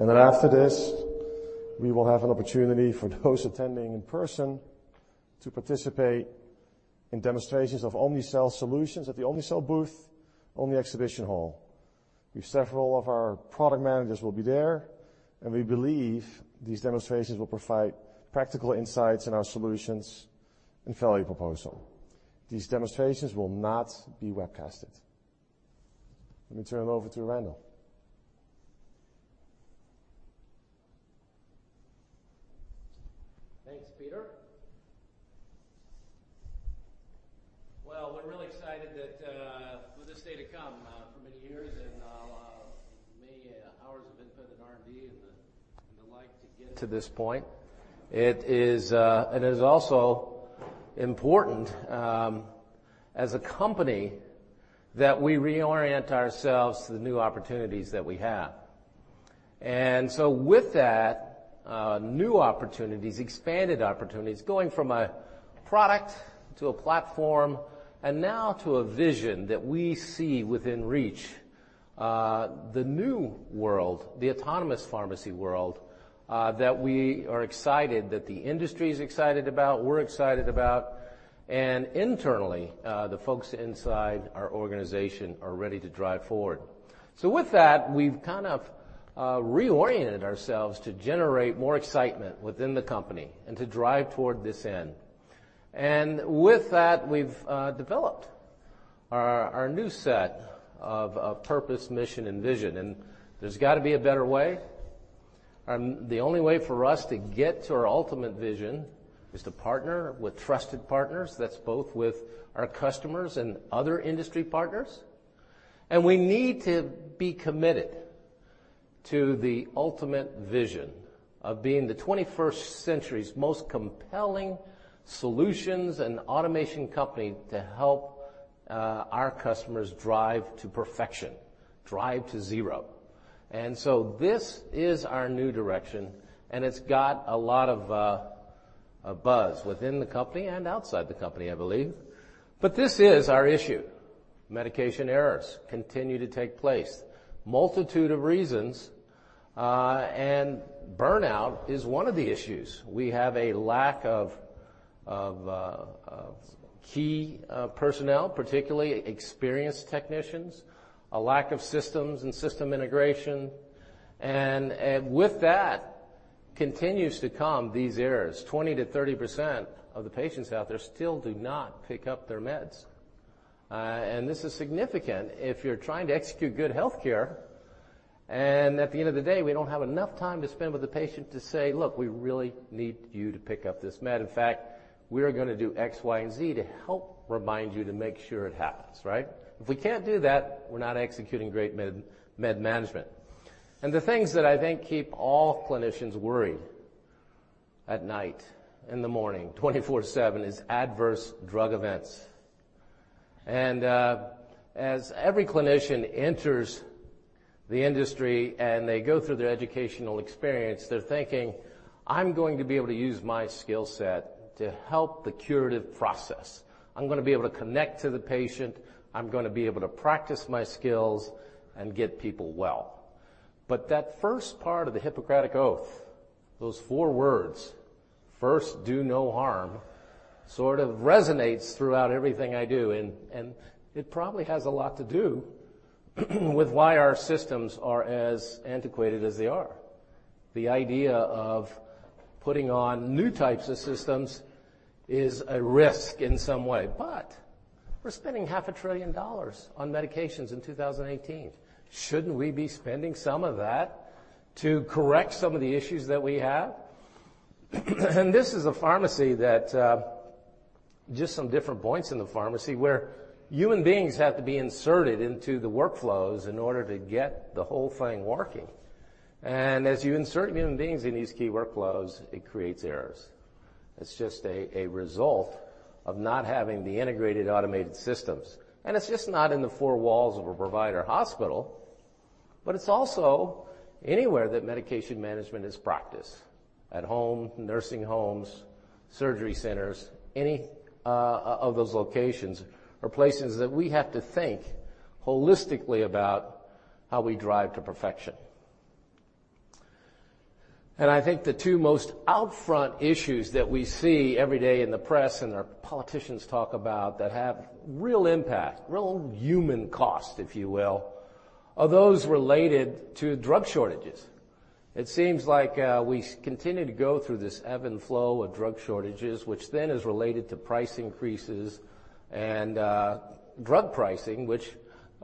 After this, we will have an opportunity for those attending in person to participate in demonstrations of Omnicell solutions at the Omnicell booth on the exhibition hall. Several of our product managers will be there, and we believe these demonstrations will provide practical insights in our solutions and value proposal. These demonstrations will not be webcasted. Let me turn it over to Randall. Thanks, Peter. Well, we're really excited that with this day to come for many years and many hours have been put in R&D and the like to get to this point. It is also important as a company that we reorient ourselves to the new opportunities that we have. With that, new opportunities, expanded opportunities, going from a product to a platform and now to a vision that we see within reach. The new world, the Autonomous Pharmacy world, that we are excited, that the industry is excited about, we're excited about, and internally, the folks inside our organization are ready to drive forward. With that, we've kind of reoriented ourselves to generate more excitement within the company and to drive toward this end. With that, we've developed our new set of purpose, mission, and vision. There's got to be a better way. The only way for us to get to our ultimate vision is to partner with trusted partners. That's both with our customers and other industry partners. We need to be committed to the ultimate vision of being the 21st century's most compelling solutions and automation company to help our customers drive to perfection, drive to 0. This is our new direction, and it's got a lot of buzz within the company and outside the company, I believe. This is our issue. Medication errors continue to take place. Multitude of reasons, and burnout is one of the issues. We have a lack of key personnel, particularly experienced technicians, a lack of systems and system integration. With that continues to come these errors. 20%-30% of the patients out there still do not pick up their meds. This is significant if you're trying to execute good healthcare, and at the end of the day, we don't have enough time to spend with the patient to say, "Look, we really need you to pick up this med. In fact, we are going to do X, Y, and Z to help remind you to make sure it happens, right?" If we can't do that, we're not executing great med management. The things that I think keep all clinicians worried at night, in the morning, 24/7, is adverse drug events. As every clinician enters the industry and they go through their educational experience, they're thinking, "I'm going to be able to use my skill set to help the curative process. I'm going to be able to connect to the patient. I'm going to be able to practice my skills and get people well." That first part of the Hippocratic Oath, those four words, "First do no harm," sort of resonates throughout everything I do, and it probably has a lot to do with why our systems are as antiquated as they are. The idea of putting on new types of systems is a risk in some way. We're spending half a trillion dollars on medications in 2018. Shouldn't we be spending some of that to correct some of the issues that we have? This is a pharmacy just some different points in the pharmacy where human beings have to be inserted into the workflows in order to get the whole thing working. As you insert human beings in these key workflows, it creates errors. It's just a result of not having the integrated automated systems. It's just not in the four walls of a provider hospital, but it's also anywhere that medication management is practiced. At home, nursing homes, surgery centers, any of those locations are places that we have to think holistically about how we drive to perfection. I think the two most out-front issues that we see every day in the press and our politicians talk about that have real impact, real human cost, if you will, are those related to drug shortages. It seems like we continue to go through this ebb and flow of drug shortages, which then is related to price increases and drug pricing, which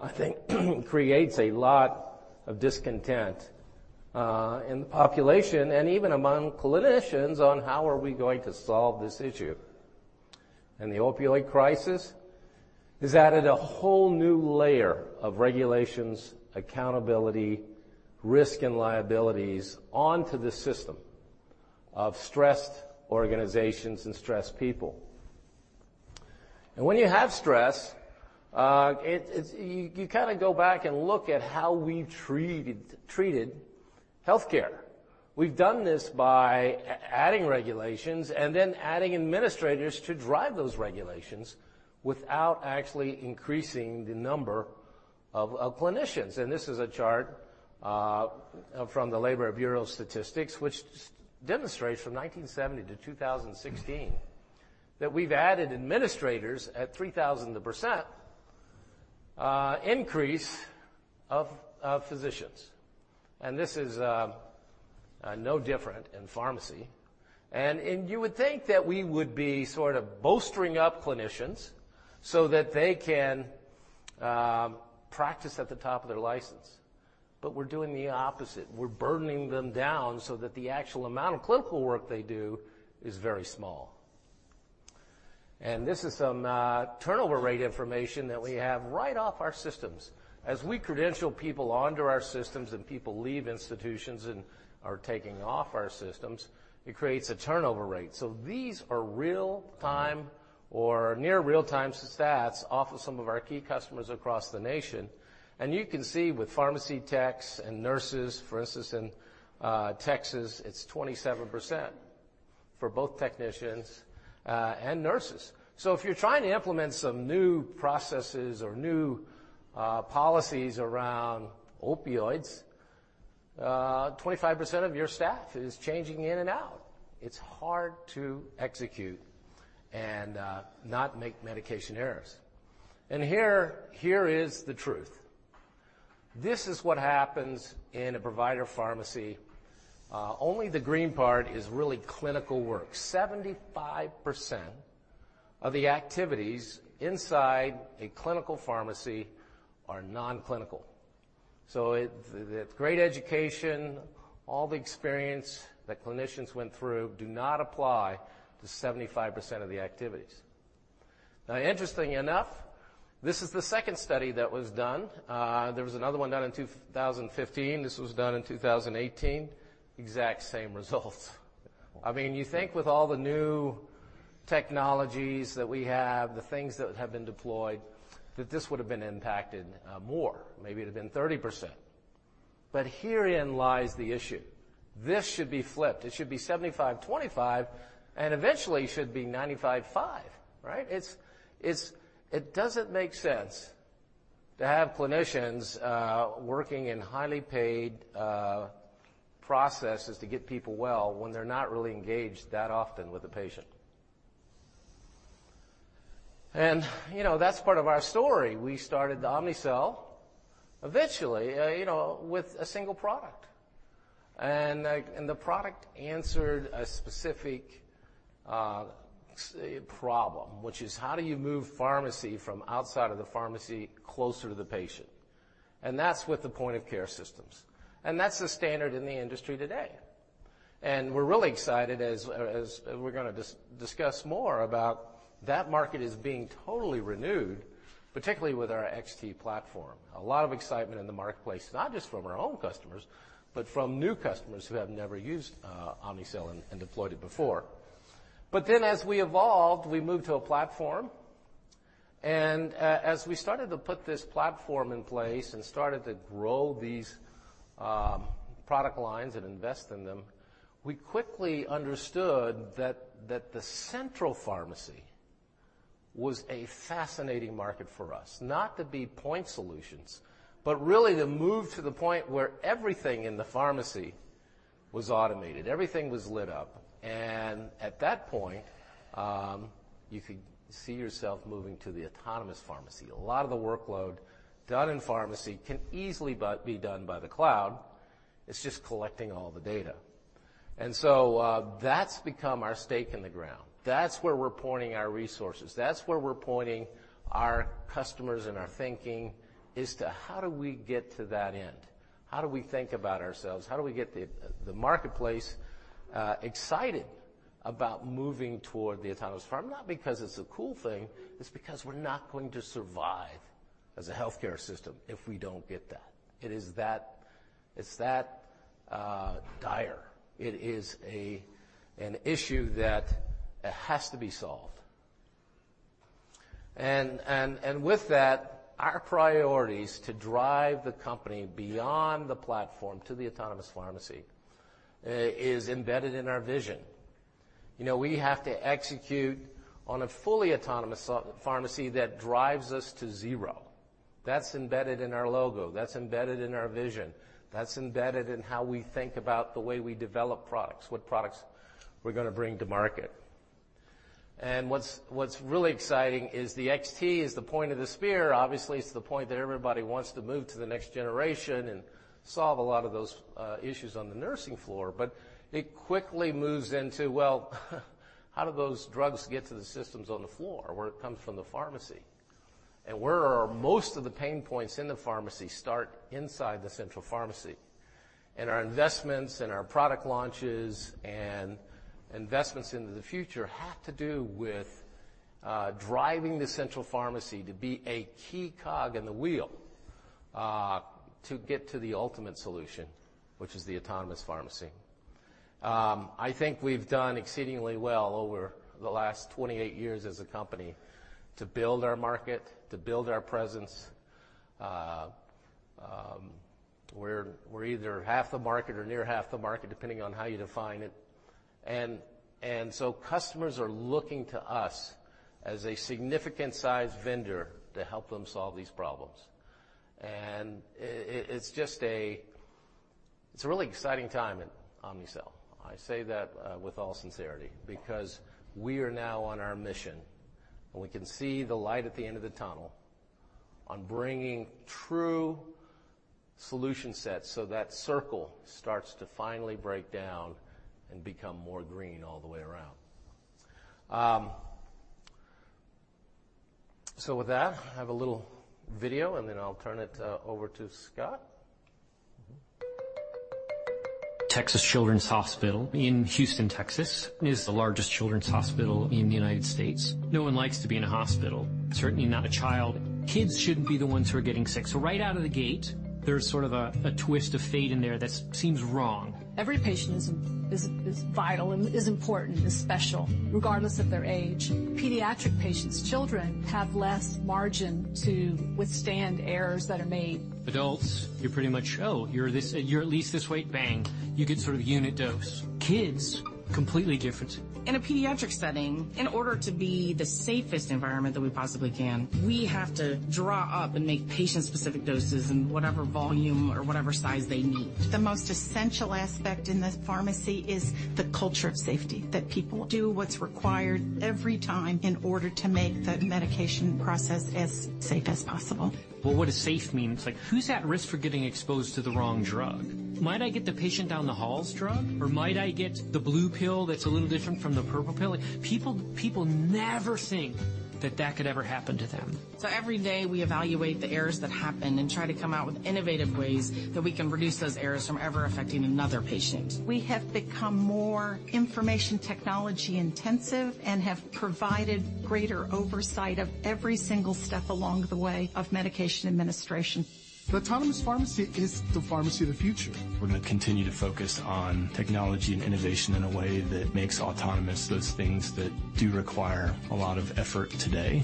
I think creates a lot of discontent in the population and even among clinicians on how are we going to solve this issue. The opioid crisis has added a whole new layer of regulations, accountability, risk, and liabilities onto the system of stressed organizations and stressed people. When you have stress, you go back and look at how we treated healthcare. We've done this by adding regulations and then adding administrators to drive those regulations without actually increasing the number of clinicians. This is a chart from the Bureau of Labor Statistics, which demonstrates from 1970 to 2016 that we've added administrators at 3,000% increase of physicians. This is no different in pharmacy. You would think that we would be sort of bolstering up clinicians so that they can practice at the top of their license. We're doing the opposite. We're burdening them down so that the actual amount of clinical work they do is very small. This is some turnover rate information that we have right off our systems. As we credential people onto our systems and people leave institutions and are taking off our systems, it creates a turnover rate. These are real time or near real time stats off of some of our key customers across the nation. You can see with pharmacy techs and nurses, for instance, in Texas, it's 27% for both technicians and nurses. If you're trying to implement some new processes or new policies around opioids, 25% of your staff is changing in and out. It's hard to execute and not make medication errors. Here is the truth. This is what happens in a provider pharmacy. Only the green part is really clinical work. 75% of the activities inside a clinical pharmacy are non-clinical. The great education, all the experience that clinicians went through do not apply to 75% of the activities. Interestingly enough, this is the second study that was done. There was another one done in 2015. This was done in 2018. Exact same results. You think with all the new technologies that we have, the things that have been deployed, that this would have been impacted more, maybe it would have been 30%. Herein lies the issue. This should be flipped. It should be 75%/25% and eventually should be 95%/5%, right? It doesn't make sense to have clinicians working in highly paid processes to get people well when they're not really engaged that often with the patient. That's part of our story. We started the Omnicell eventually with a single product. The product answered a specific problem, which is how do you move pharmacy from outside of the pharmacy closer to the patient? That's with the point of care systems. That's the standard in the industry today. We're really excited as we're gonna discuss more about that market is being totally renewed, particularly with our XT platform. A lot of excitement in the marketplace, not just from our own customers, but from new customers who have never used Omnicell and deployed it before. As we evolved, we moved to a platform. As we started to put this platform in place and started to grow these product lines and invest in them, we quickly understood that the Central Pharmacy was a fascinating market for us. Not to be point solutions, but really to move to the point where everything in the pharmacy was automated, everything was lit up. At that point, you could see yourself moving to the Autonomous Pharmacy. A lot of the workload done in pharmacy can easily be done by the cloud. It's just collecting all the data. That's become our stake in the ground. That's where we're pointing our resources. That's where we're pointing our customers and our thinking is to how do we get to that end? How do we think about ourselves? How do we get the marketplace excited about moving toward the Autonomous pharma? Not because it's a cool thing, it's because we're not going to survive as a healthcare system if we don't get that. It's that dire. It is an issue that has to be solved. With that, our priorities to drive the company beyond the platform to the Autonomous Pharmacy is embedded in our vision. We have to execute on a fully Autonomous Pharmacy that drives us to 0. That's embedded in our logo. That's embedded in our vision. That's embedded in how we think about the way we develop products, what products we're going to bring to market. What's really exciting is the XT is the point of the spear. Obviously, it's the point that everybody wants to move to the next generation and solve a lot of those issues on the nursing floor. It quickly moves into, well, how do those drugs get to the systems on the floor where it comes from the pharmacy? Where are most of the pain points in the pharmacy start inside the Central Pharmacy. Our investments and our product launches and investments into the future have to do with driving the Central Pharmacy to be a key cog in the wheel to get to the ultimate solution, which is the Autonomous Pharmacy. I think we've done exceedingly well over the last 28 years as a company to build our market, to build our presence. We're either half the market or near half the market, depending on how you define it. Customers are looking to us as a significant-sized vendor to help them solve these problems. It's a really exciting time at Omnicell. I say that with all sincerity, because we are now on our mission, and we can see the light at the end of the tunnel on bringing true solution sets so that circle starts to finally break down and become more green all the way around. With that, I have a little video, and then I'll turn it over to Scott. Texas Children's Hospital in Houston, Texas, is the largest children's hospital in the United States. No one likes to be in a hospital, certainly not a child. Kids shouldn't be the ones who are getting sick. Right out of the gate, there's sort of a twist of fate in there that seems wrong. Every patient is vital and is important, is special, regardless of their age. Pediatric patients, children, have less margin to withstand errors that are made. Adults, you're pretty much, "Oh, you're at least this weight," bang. You get sort of unit dose. Kids, completely different. In a pediatric setting, in order to be the safest environment that we possibly can, we have to draw up and make patient-specific doses in whatever volume or whatever size they need. The most essential aspect in this pharmacy is the culture of safety, that people do what's required every time in order to make the medication process as safe as possible. Well, what does safe mean? It's like, who's at risk for getting exposed to the wrong drug? Might I get the patient down the hall's drug, or might I get the blue pill that's a little different from the purple pill? People never think that that could ever happen to them. Every day, we evaluate the errors that happen and try to come out with innovative ways that we can reduce those errors from ever affecting another patient. We have become more information technology intensive and have provided greater oversight of every single step along the way of medication administration. The Autonomous Pharmacy is the pharmacy of the future. We're going to continue to focus on technology and innovation in a way that makes autonomous those things that do require a lot of effort today.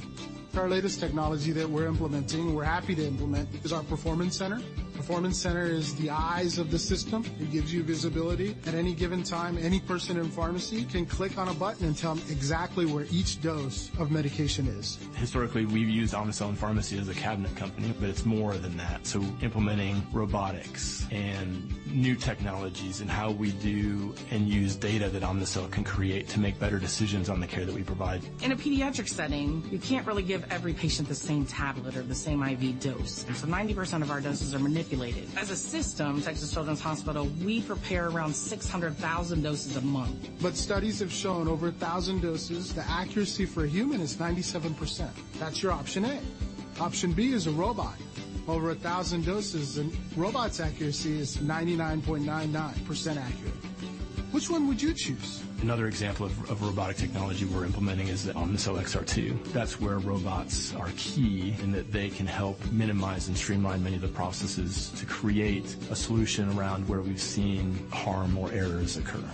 Our latest technology that we're implementing, we're happy to implement, is our Performance Center. Performance Center is the eyes of the system. It gives you visibility. At any given time, any person in pharmacy can click on a button and tell exactly where each dose of medication is. Historically, we've used Omnicell in pharmacy as a cabinet company, but it's more than that. Implementing robotics and new technologies and how we do and use data that Omnicell can create to make better decisions on the care that we provide. In a pediatric setting, you can't really give every patient the same tablet or the same IV dose. 90% of our doses are manipulated. As a system, Texas Children's Hospital, we prepare around 600,000 doses a month. Studies have shown over 1,000 doses, the accuracy for a human is 97%. That's your option A. Option B is a robot. Over 1,000 doses, robot's accuracy is 99.99% accurate. Which one would you choose? Another example of robotic technology we're implementing is the Omnicell XR2. That's where robots are key in that they can help minimize and streamline many of the processes to create a solution around where we've seen harm or errors occur.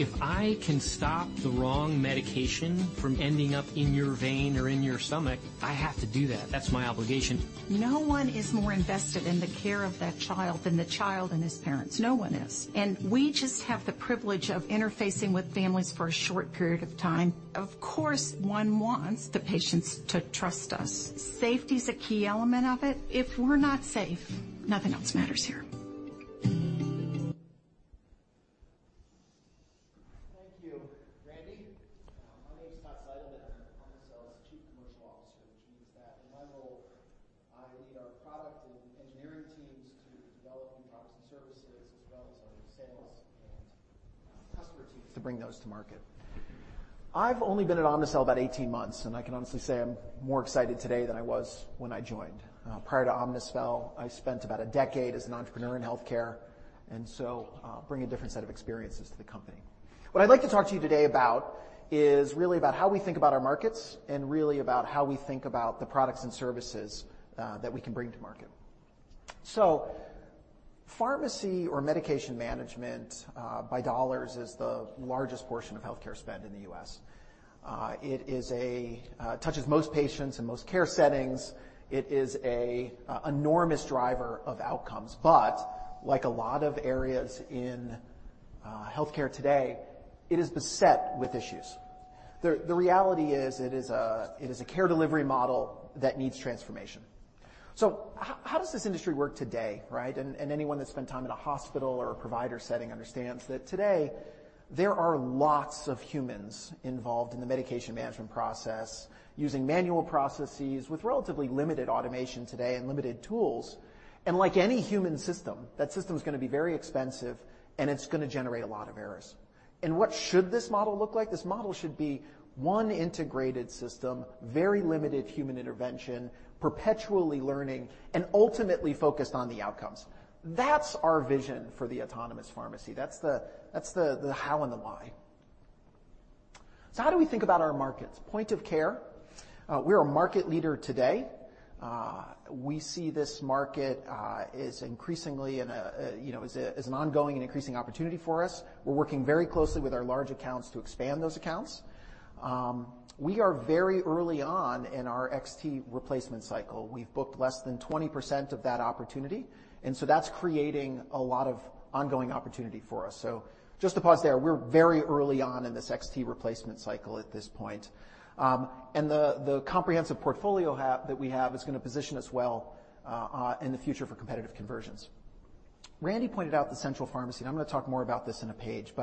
If I can stop the wrong medication from ending up in your vein or in your stomach, I have to do that. That's my obligation. No one is more invested in the care of that child than the child and his parents. No one is. We just have the privilege of interfacing with families for a short period of time. Of course, one wants the patients to trust us. Safety's a key element of it. If we're not safe, nothing else matters here. Thank you, Randy. My name is Scott Seidelmann. I'm Omnicell's Chief Commercial Officer, which means that in my role, I lead our product and engineering teams to develop new products and services, as well as our sales and customer teams to bring those to market. I've only been at Omnicell about 18 months, and I can honestly say I'm more excited today than I was when I joined. Prior to Omnicell, I spent about a decade as an entrepreneur in healthcare, and so bring a different set of experiences to the company. What I'd like to talk to you today about is really about how we think about our markets and really about how we think about the products and services that we can bring to market. Pharmacy or medication management, by dollars, is the largest portion of healthcare spend in the U.S. It touches most patients in most care settings. It is an enormous driver of outcomes, like a lot of areas in healthcare today, it is beset with issues. The reality is it is a care delivery model that needs transformation. How does this industry work today, right? Anyone that's spent time in a hospital or a provider setting understands that today, there are lots of humans involved in the medication management process, using manual processes with relatively limited automation today and limited tools. Like any human system, that system's going to be very expensive, and it's going to generate a lot of errors. What should this model look like? This model should be one integrated system, very limited human intervention, perpetually learning, and ultimately focused on the outcomes. That's our vision for the Autonomous Pharmacy. That's the how and the why. How do we think about our markets? Point of care, we're a market leader today. We see this market as an ongoing and increasing opportunity for us. We're working very closely with our large accounts to expand those accounts. We are very early on in our XT replacement cycle. We've booked less than 20% of that opportunity, that's creating a lot of ongoing opportunity for us. Just to pause there, we're very early on in this XT replacement cycle at this point. The comprehensive portfolio that we have is going to position us well in the future for competitive conversions. Randy pointed out the Central Pharmacy. I'm going to talk more about this in a page.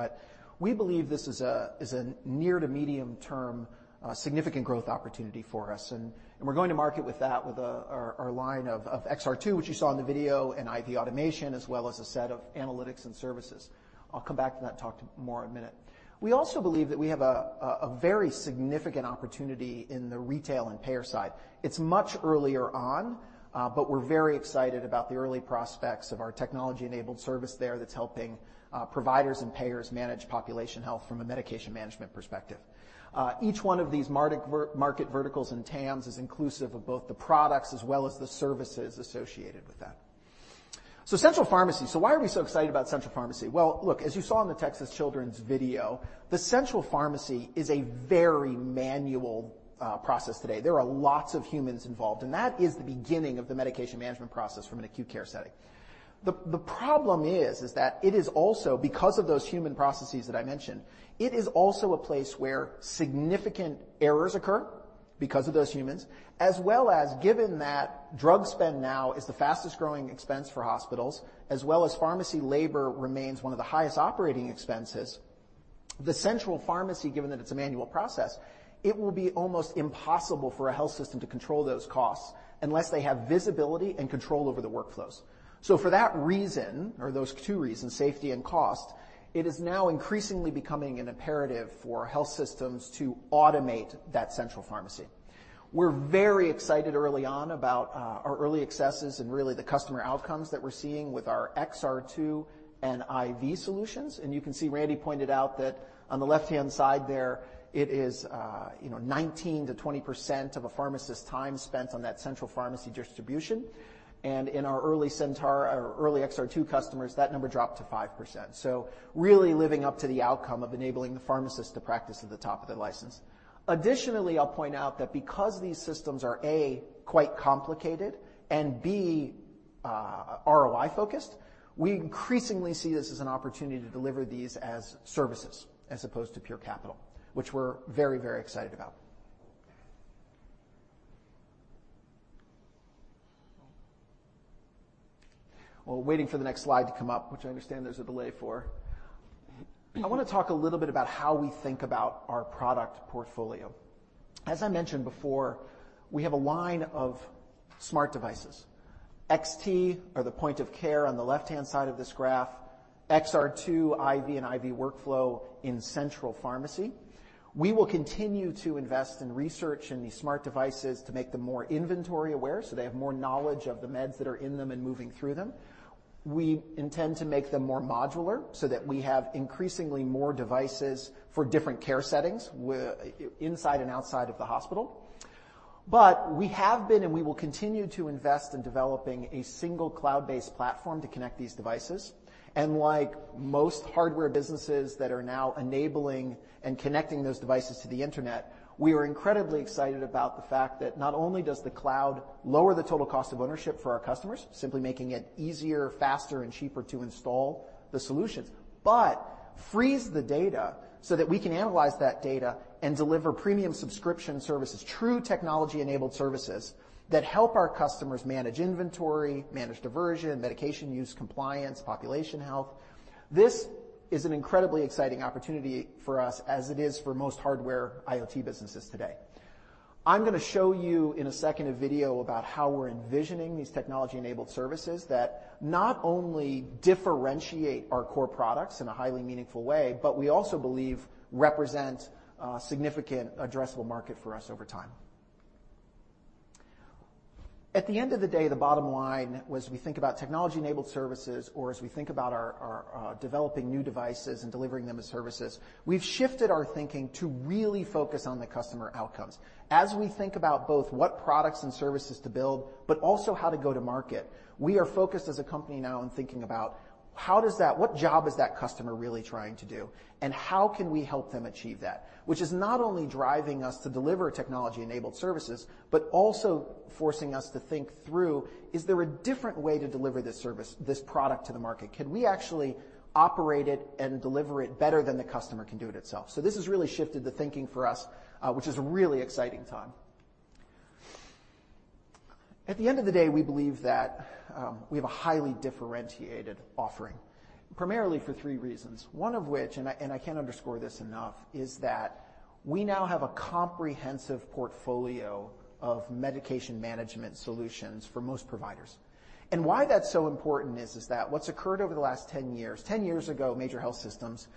We believe this is a near to medium-term significant growth opportunity for us. We're going to market with that with our line of XR2, which you saw in the video, and IV automation, as well as a set of analytics and services. I'll come back to that talk more in a minute. We also believe that we have a very significant opportunity in the retail and payer side. It's much earlier on. We're very excited about the early prospects of our technology-enabled service there that's helping providers and payers manage population health from a medication management perspective. Each one of these market verticals and TAMs is inclusive of both the products as well as the services associated with that. Central Pharmacy, why are we so excited about Central Pharmacy? Well, as you saw in the Texas Children's video, the Central Pharmacy is a very manual process today. There are lots of humans involved, that is the beginning of the medication management process from an acute care setting. The problem is that it is also, because of those human processes that I mentioned, it is also a place where significant errors occur because of those humans, as well as given that drug spend now is the fastest growing expense for hospitals, as well as pharmacy labor remains one of the highest operating expenses. The Central Pharmacy, given that it's a manual process, it will be almost impossible for a health system to control those costs unless they have visibility and control over the workflows. For that reason, or those two reasons, safety and cost, it is now increasingly becoming an imperative for health systems to automate that Central Pharmacy. We're very excited early on about our early successes and really the customer outcomes that we're seeing with our XR2 and IV solutions. You can see Randy pointed out that on the left-hand side there, it is 19%-20% of a pharmacist's time spent on that Central Pharmacy distribution. In our early XR2 customers, that number dropped to 5%. Really living up to the outcome of enabling the pharmacist to practice at the top of their license. Additionally, I'll point out that because these systems are, A, quite complicated and, B, ROI focused, we increasingly see this as an opportunity to deliver these as services as opposed to pure capital, which we're very excited about. While waiting for the next slide to come up, which I understand there's a delay for, I want to talk a little bit about how we think about our product portfolio. As I mentioned before, we have a line of smart devices. XT are the point of care on the left-hand side of this graph, XR2, IV, and IV workflow in Central Pharmacy. We will continue to invest in research in these smart devices to make them more inventory aware, so they have more knowledge of the meds that are in them and moving through them. We intend to make them more modular so that we have increasingly more devices for different care settings inside and outside of the hospital. We have been, and we will continue to invest in developing a single cloud-based platform to connect these devices. Like most hardware businesses that are now enabling and connecting those devices to the Internet, we are incredibly excited about the fact that not only does the cloud lower the total cost of ownership for our customers, simply making it easier, faster and cheaper to install the solutions, but frees the data so that we can analyze that data and deliver premium subscription services, true technology-enabled services that help our customers manage inventory, manage diversion, medication use compliance, population health. This is an incredibly exciting opportunity for us as it is for most hardware IoT businesses today. I'm going to show you in a second a video about how we're envisioning these technology-enabled services that not only differentiate our core products in a highly meaningful way, but we also believe represent a significant addressable market for us over time. At the end of the day, the bottom line was we think about technology-enabled services or as we think about our developing new devices and delivering them as services. We've shifted our thinking to really focus on the customer outcomes. As we think about both what products and services to build, but also how to go to market. We are focused as a company now on thinking about what job is that customer really trying to do, and how can we help them achieve that? Which is not only driving us to deliver technology-enabled services, but also forcing us to think through, is there a different way to deliver this product to the market? Can we actually operate it and deliver it better than the customer can do it itself? This has really shifted the thinking for us, which is a really exciting time. At the end of the day, we believe that we have a highly differentiated offering, primarily for three reasons. One of which, and I can't underscore this enough, is that we now have a comprehensive portfolio of medication management solutions for most providers. Why that's so important is that what's occurred over the last 10 years, 10 years ago, major health systems,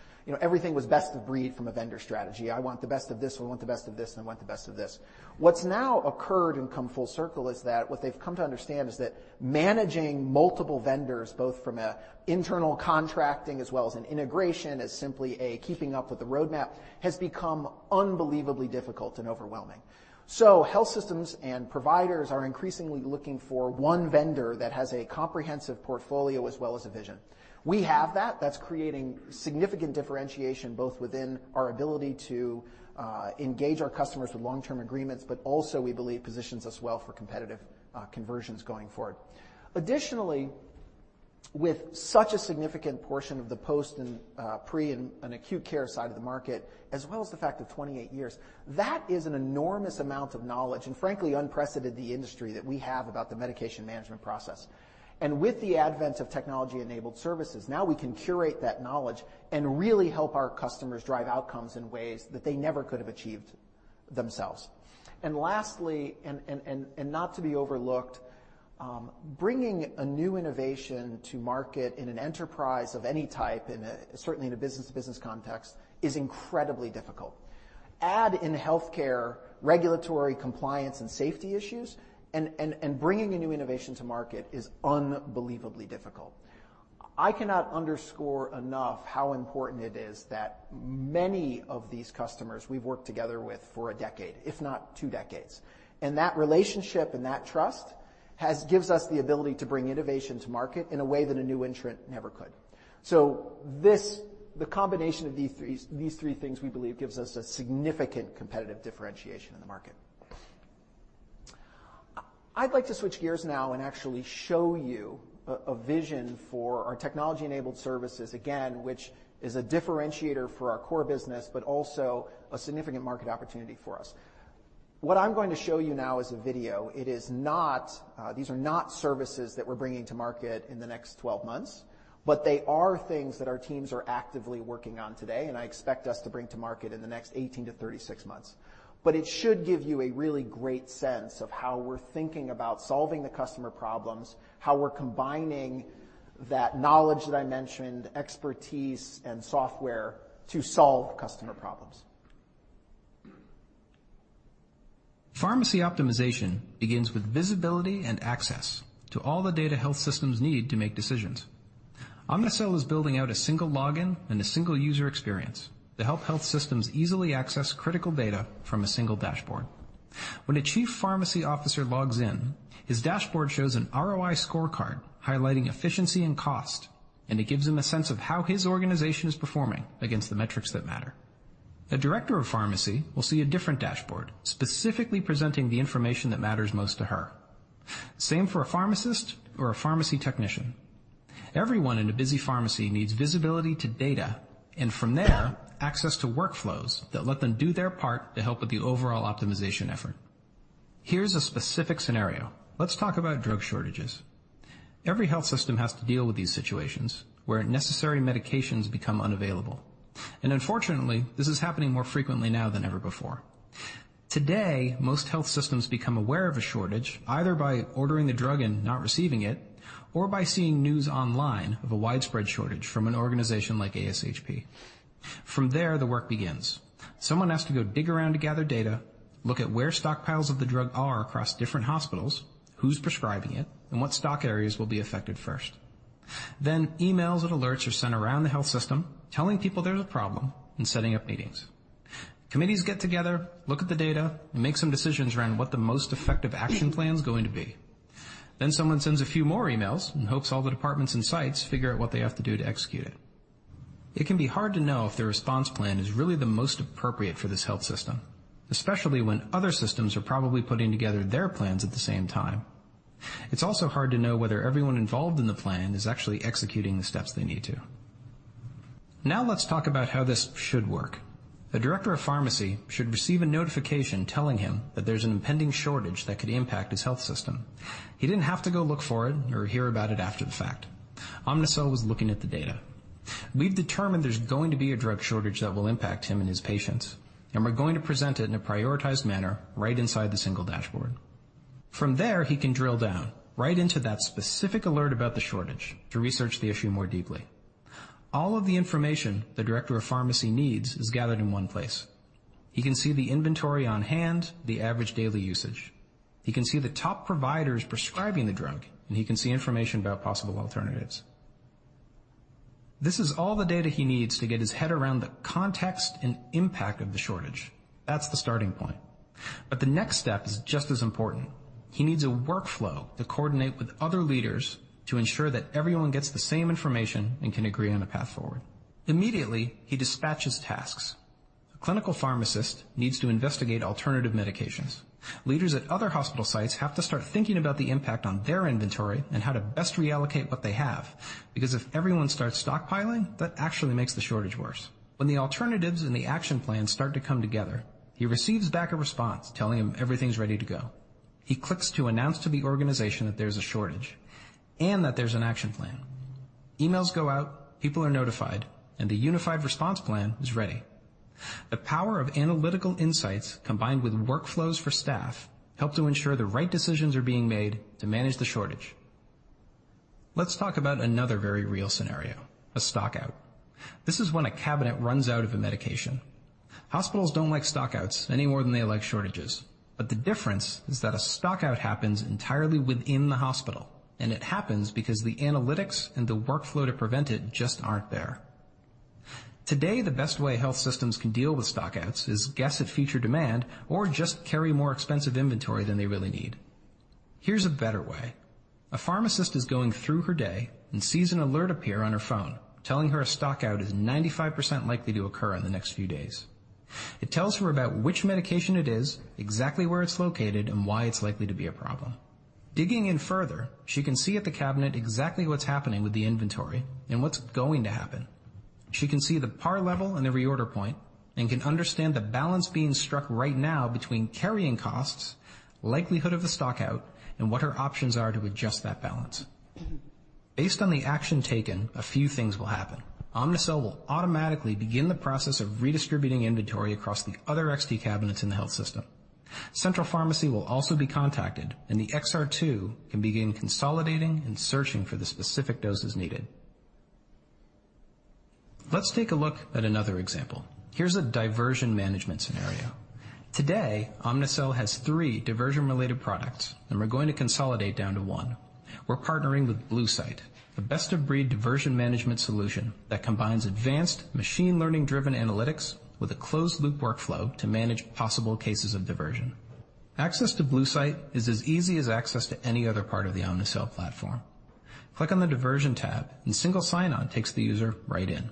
everything was best of breed from a vendor strategy. I want the best of this, we want the best of this, and I want the best of this. What's now occurred and come full circle is that what they've come to understand is that managing multiple vendors, both from an internal contracting as well as an integration, as simply a keeping up with the roadmap, has become unbelievably difficult and overwhelming. Health systems and providers are increasingly looking for one vendor that has a comprehensive portfolio as well as a vision. We have that. That's creating significant differentiation, both within our ability to engage our customers with long-term agreements, but also, we believe, positions us well for competitive conversions going forward. With such a significant portion of the post and pre and acute care side of the market, as well as the fact of 28 years, that is an enormous amount of knowledge and frankly, unprecedented in the industry that we have about the medication management process. With the advent of technology-enabled services, now we can curate that knowledge and really help our customers drive outcomes in ways that they never could have achieved themselves. Lastly, and not to be overlooked, bringing a new innovation to market in an enterprise of any type, certainly in a business-to-business context, is incredibly difficult. Add in healthcare regulatory compliance and safety issues, bringing a new innovation to market is unbelievably difficult. I cannot underscore enough how important it is that many of these customers we've worked together with for a decade, if not two decades, and that relationship and that trust gives us the ability to bring innovation to market in a way that a new entrant never could. The combination of these three things, we believe, gives us a significant competitive differentiation in the market. I'd like to switch gears now and actually show you a vision for our technology-enabled services, again, which is a differentiator for our core business, but also a significant market opportunity for us. What I'm going to show you now is a video. These are not services that we're bringing to market in the next 12 months. They are things that our teams are actively working on today. I expect us to bring to market in the next 18 to 36 months. It should give you a really great sense of how we're thinking about solving the customer problems, how we're combining that knowledge that I mentioned, expertise, and software to solve customer problems. Pharmacy optimization begins with visibility and access to all the data health systems need to make decisions. Omnicell is building out a single login and a single user experience to help health systems easily access critical data from a single dashboard. When a chief pharmacy officer logs in, his dashboard shows an ROI scorecard highlighting efficiency and cost, and it gives him a sense of how his organization is performing against the metrics that matter. A director of pharmacy will see a different dashboard, specifically presenting the information that matters most to her. Same for a pharmacist or a pharmacy technician. Everyone in a busy pharmacy needs visibility to data, and from there, access to workflows that let them do their part to help with the overall optimization effort. Here's a specific scenario. Let's talk about drug shortages. Every health system has to deal with these situations where necessary medications become unavailable. Unfortunately, this is happening more frequently now than ever before. Today, most health systems become aware of a shortage, either by ordering the drug and not receiving it, or by seeing news online of a widespread shortage from an organization like ASHP. From there, the work begins. Someone has to go dig around to gather data, look at where stockpiles of the drug are across different hospitals, who's prescribing it, and what stock areas will be affected first. Emails and alerts are sent around the health system telling people there's a problem and setting up meetings. Committees get together, look at the data, and make some decisions around what the most effective action plan is going to be. Someone sends a few more emails and hopes all the departments and sites figure out what they have to do to execute it. It can be hard to know if their response plan is really the most appropriate for this health system, especially when other systems are probably putting together their plans at the same time. It's also hard to know whether everyone involved in the plan is actually executing the steps they need to. Let's talk about how this should work. A director of pharmacy should receive a notification telling him that there's an impending shortage that could impact his health system. He didn't have to go look for it or hear about it after the fact. Omnicell was looking at the data. We've determined there's going to be a drug shortage that will impact him and his patients, and we're going to present it in a prioritized manner right inside the single dashboard. From there, he can drill down right into that specific alert about the shortage to research the issue more deeply. All of the information the director of pharmacy needs is gathered in one place. He can see the inventory on hand, the average daily usage. He can see the top providers prescribing the drug, and he can see information about possible alternatives. This is all the data he needs to get his head around the context and impact of the shortage. That's the starting point. The next step is just as important. He needs a workflow to coordinate with other leaders to ensure that everyone gets the same information and can agree on a path forward. Immediately, he dispatches tasks. A clinical pharmacist needs to investigate alternative medications. Leaders at other hospital sites have to start thinking about the impact on their inventory and how to best reallocate what they have. If everyone starts stockpiling, that actually makes the shortage worse. When the alternatives and the action plan start to come together, he receives back a response telling him everything's ready to go. He clicks to announce to the organization that there's a shortage and that there's an action plan. Emails go out, people are notified, and the unified response plan is ready. The power of analytical insights, combined with workflows for staff, help to ensure the right decisions are being made to manage the shortage. Let's talk about another very real scenario, a stockout. This is when a cabinet runs out of a medication. Hospitals don't like stockouts any more than they like shortages. The difference is that a stockout happens entirely within the hospital, and it happens because the analytics and the workflow to prevent it just aren't there. Today, the best way health systems can deal with stockouts is guess at future demand or just carry more expensive inventory than they really need. Here's a better way. A pharmacist is going through her day and sees an alert appear on her phone telling her a stockout is 95% likely to occur in the next few days. It tells her about which medication it is, exactly where it's located, and why it's likely to be a problem. Digging in further, she can see at the cabinet exactly what's happening with the inventory and what's going to happen. She can see the par level and the reorder point and can understand the balance being struck right now between carrying costs, likelihood of the stockout, and what her options are to adjust that balance. Based on the action taken, a few things will happen. Omnicell will automatically begin the process of redistributing inventory across the other XT Automated Dispensing Cabinets in the health system. Central Pharmacy will also be contacted, and the XR2 can begin consolidating and searching for the specific doses needed. Let's take a look at another example. Here's a diversion management scenario. Today, Omnicell has three diversion-related products, and we're going to consolidate down to one. We're partnering with Bluesight, the best-of-breed diversion management solution that combines advanced machine learning-driven analytics with a closed-loop workflow to manage possible cases of diversion. Access to Bluesight is as easy as access to any other part of the Omnicell platform. Click on the Diversion tab, and single sign-on takes the user right in.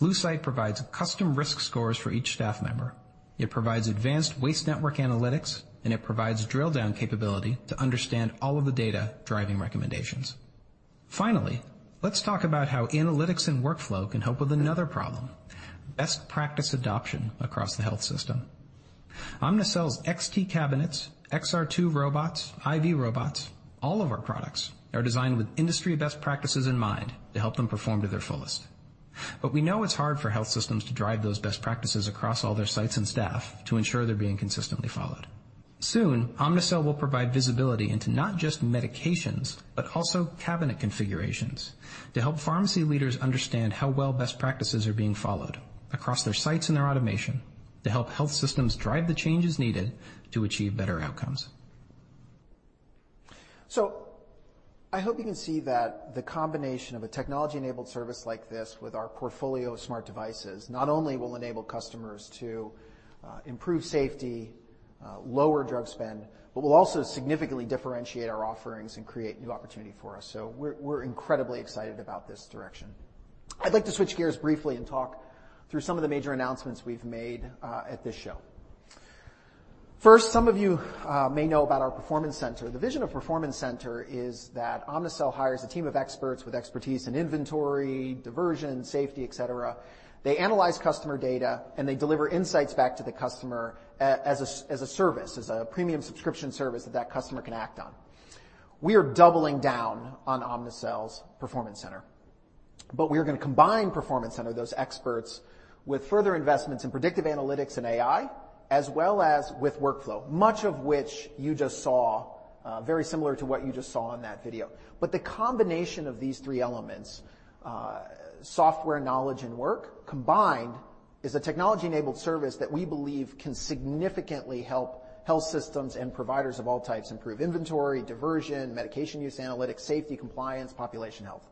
Bluesight provides custom risk scores for each staff member. It provides advanced waste network analytics, and it provides drill-down capability to understand all of the data driving recommendations. Finally, let's talk about how analytics and workflow can help with another problem, best practice adoption across the health system. Omnicell's XT cabinets, XR2 robots, IV robots, all of our products are designed with industry best practices in mind to help them perform to their fullest. We know it's hard for health systems to drive those best practices across all their sites and staff to ensure they're being consistently followed. Soon, Omnicell will provide visibility into not just medications, but also cabinet configurations to help pharmacy leaders understand how well best practices are being followed across their sites and their automation to help health systems drive the changes needed to achieve better outcomes. I hope you can see that the combination of a technology-enabled service like this with our portfolio of smart devices not only will enable customers to improve safety, lower drug spend, but will also significantly differentiate our offerings and create new opportunity for us. We're incredibly excited about this direction. I'd like to switch gears briefly and talk through some of the major announcements we've made at this show. First, some of you may know about our Performance Center. The vision of Performance Center is that Omnicell hires a team of experts with expertise in inventory, diversion, safety, et cetera. They analyze customer data, and they deliver insights back to the customer as-a-service, as a premium subscription service that customer can act on. We are doubling down on Omnicell's Performance Center, but we are going to combine Performance Center, those experts, with further investments in predictive analytics and AI, as well as with workflow, much of which you just saw, very similar to what you just saw in that video. The combination of these three elements, software, knowledge, and work combined, is a technology-enabled service that we believe can significantly help health systems and providers of all types improve inventory, diversion, medication use analytics, safety, compliance, population health.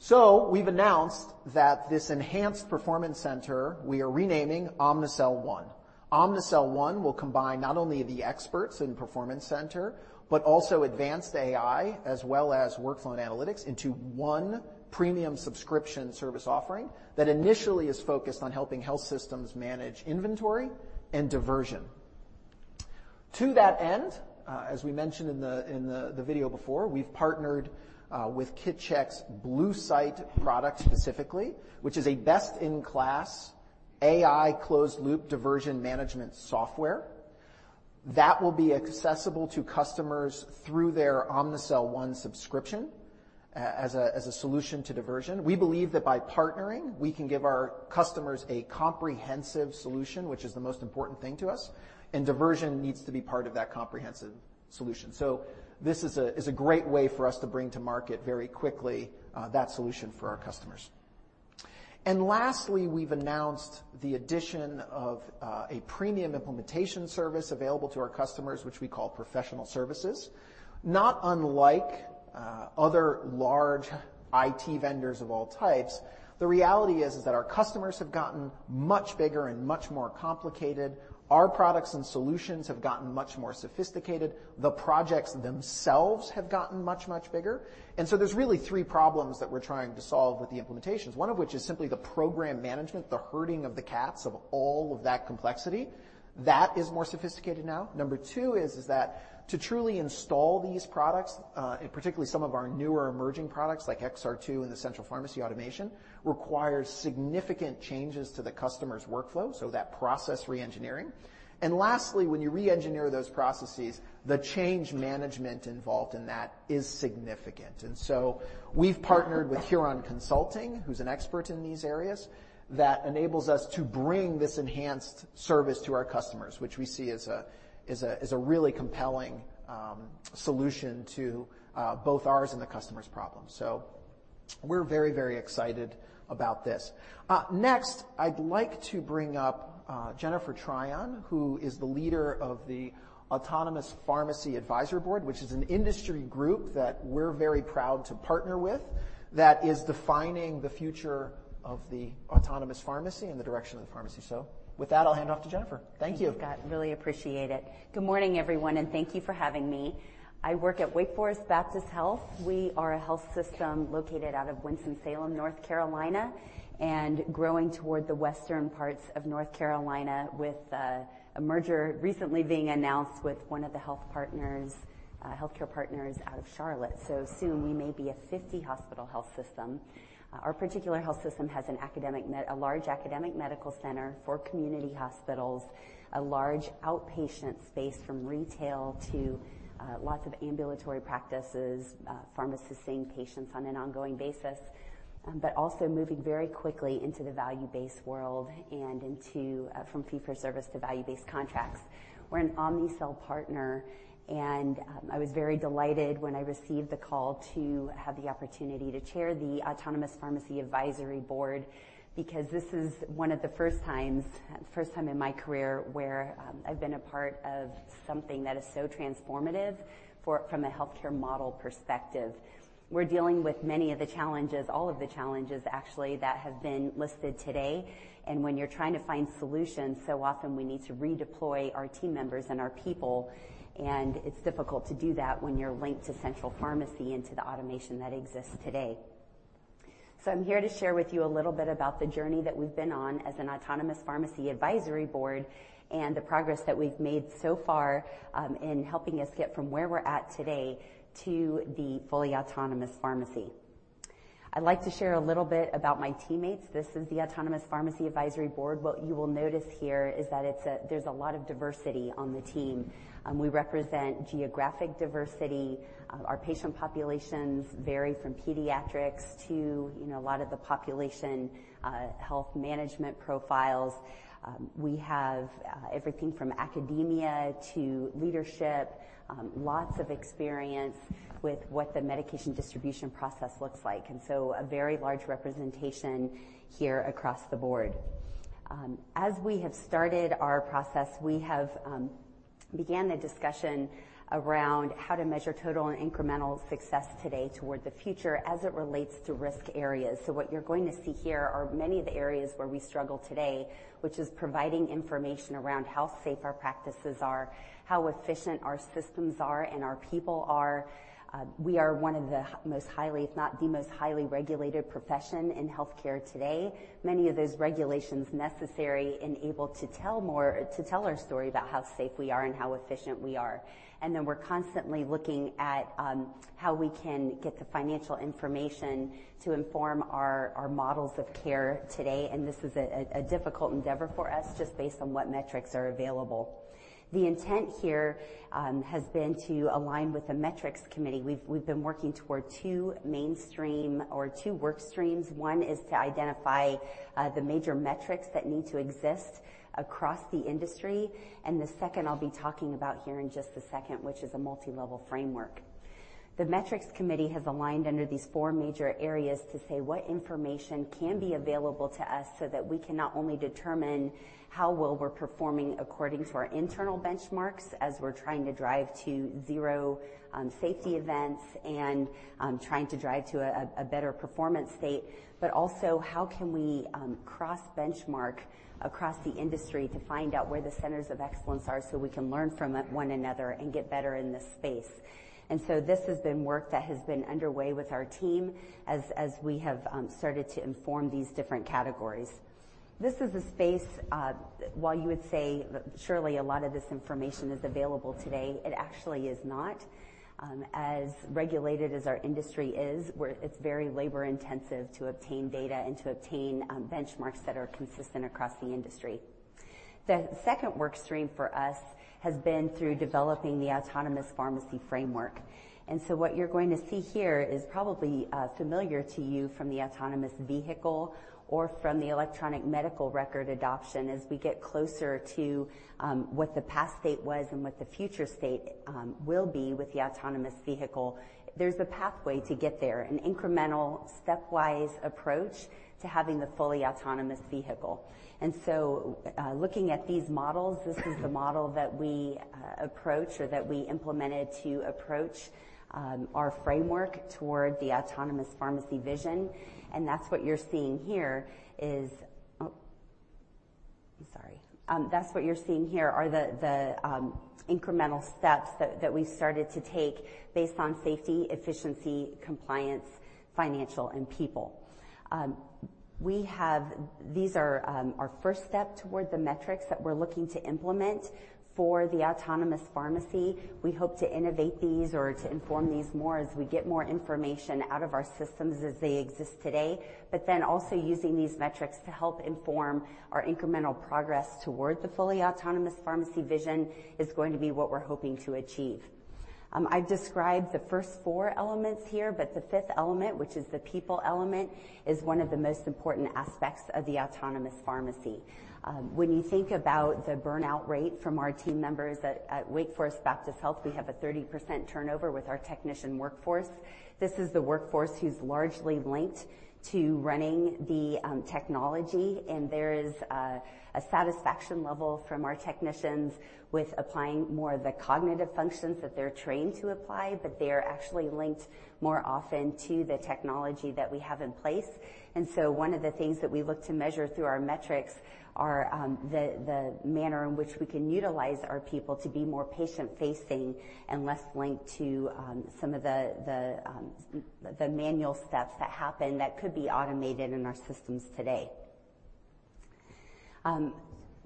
We've announced that this enhanced Performance Center, we are renaming Omnicell One. Omnicell One will combine not only the experts in Performance Center, but also advanced AI as well as workflow and analytics into one premium subscription service offering that initially is focused on helping health systems manage inventory and diversion. To that end, as we mentioned in the video before, we've partnered with Kit Check's Bluesight product specifically, which is a best-in-class AI closed-loop diversion management software. That will be accessible to customers through their Omnicell One subscription as a solution to diversion. We believe that by partnering, we can give our customers a comprehensive solution, which is the most important thing to us, and diversion needs to be part of that comprehensive solution. This is a great way for us to bring to market very quickly that solution for our customers. Lastly, we've announced the addition of a premium implementation service available to our customers, which we call Professional Services. Not unlike other large IT vendors of all types, the reality is that our customers have gotten much bigger and much more complicated. Our products and solutions have gotten much more sophisticated. The projects themselves have gotten much, much bigger. There's really three problems that we're trying to solve with the implementations, one of which is simply the program management, the herding of the cats of all of that complexity. That is more sophisticated now. Number two is that to truly install these products, and particularly some of our newer emerging products like XR2 and the Central Pharmacy automation, requires significant changes to the customer's workflow, so that process re-engineering. Lastly, when you re-engineer those processes, the change management involved in that is significant. We've partnered with Huron Consulting, who's an expert in these areas, that enables us to bring this enhanced service to our customers, which we see as a really compelling solution to both ours and the customer's problems. We're very excited about this. Next, I'd like to bring up Jennifer Tryon, who is the leader of the Autonomous Pharmacy Advisory Board, which is an industry group that we're very proud to partner with that is defining the future of the Autonomous Pharmacy and the direction of the pharmacy. With that, I'll hand off to Jennifer. Thank you. Thank you, Scott. Really appreciate it. Good morning, everyone. Thank you for having me. I work at Wake Forest Baptist Health. We are a health system located out of Winston-Salem, N.C., growing toward the western parts of N.C. with a merger recently being announced with one of the healthcare partners out of Charlotte. Soon we may be a 50-hospital health system. Our particular health system has a large academic medical center, four community hospitals, a large outpatient space from retail to lots of ambulatory practices. Pharmacists seeing patients on an ongoing basis. Also moving very quickly into the value-based world and from fee-for-service to value-based contracts. We're an Omnicell partner and I was very delighted when I received the call to have the opportunity to chair the Autonomous Pharmacy Advisory Board because this is one of the first times, first time in my career, where I've been a part of something that is so transformative from a healthcare model perspective. We're dealing with many of the challenges, all of the challenges actually, that have been listed today, and when you're trying to find solutions, so often we need to redeploy our team members and our people, and it's difficult to do that when you're linked to Central Pharmacy and to the automation that exists today. I'm here to share with you a little bit about the journey that we've been on as an Autonomous Pharmacy Advisory Board and the progress that we've made so far in helping us get from where we're at today to the fully Autonomous Pharmacy. I'd like to share a little bit about my teammates. This is the Autonomous Pharmacy Advisory Board. What you will notice here is that there's a lot of diversity on the team. We represent geographic diversity. Our patient populations vary from pediatrics to a lot of the population health management profiles. We have everything from academia to leadership. Lots of experience with what the medication distribution process looks like, a very large representation here across the board. As we have started our process, we have began the discussion around how to measure total and incremental success today toward the future as it relates to risk areas. What you're going to see here are many of the areas where we struggle today, which is providing information around how safe our practices are, how efficient our systems are, and our people are. We are one of the most highly, if not the most highly regulated profession in healthcare today. Many of those regulations necessary and able to tell our story about how safe we are and how efficient we are. We're constantly looking at how we can get the financial information to inform our models of care today, and this is a difficult endeavor for us just based on what metrics are available. The intent here has been to align with the metrics committee. We've been working toward two mainstream or two work streams. One is to identify the major metrics that need to exist across the industry, the second I'll be talking about here in just a second, which is a multilevel framework. The metrics committee has aligned under these four major areas to say what information can be available to us so that we can not only determine how well we're performing according to our internal benchmarks as we're trying to drive to 0 safety events and trying to drive to a better performance state. Also how can we cross-benchmark across the industry to find out where the centers of excellence are so we can learn from one another and get better in this space. This has been work that has been underway with our team as we have started to inform these different categories. This is a space, while you would say surely a lot of this information is available today, it actually is not. As regulated as our industry is, it's very labor-intensive to obtain data and to obtain benchmarks that are consistent across the industry. The second work stream for us has been through developing the Autonomous Pharmacy framework. What you're going to see here is probably familiar to you from the autonomous vehicle or from the electronic medical record adoption. As we get closer to what the past state was and what the future state will be with the autonomous vehicle, there's a pathway to get there, an incremental stepwise approach to having the fully autonomous vehicle. Looking at these models, this is the model that we approach or that we implemented to approach our framework toward the Autonomous Pharmacy vision. That's what you're seeing here are the incremental steps that we started to take based on safety, efficiency, compliance, financial, and people. These are our first step toward the metrics that we're looking to implement for the Autonomous Pharmacy. We hope to innovate these or to inform these more as we get more information out of our systems as they exist today, also using these metrics to help inform our incremental progress toward the fully Autonomous Pharmacy vision is going to be what we're hoping to achieve. I've described the first four elements here, the fifth element, which is the people element, is one of the most important aspects of the Autonomous Pharmacy. When you think about the burnout rate from our team members at Wake Forest Baptist Health, we have a 30% turnover with our technician workforce. This is the workforce who's largely linked to running the technology. There is a satisfaction level from our technicians with applying more of the cognitive functions that they're trained to apply, they are actually linked more often to the technology that we have in place. One of the things that we look to measure through our metrics are the manner in which we can utilize our people to be more patient-facing and less linked to some of the manual steps that happen that could be automated in our systems today.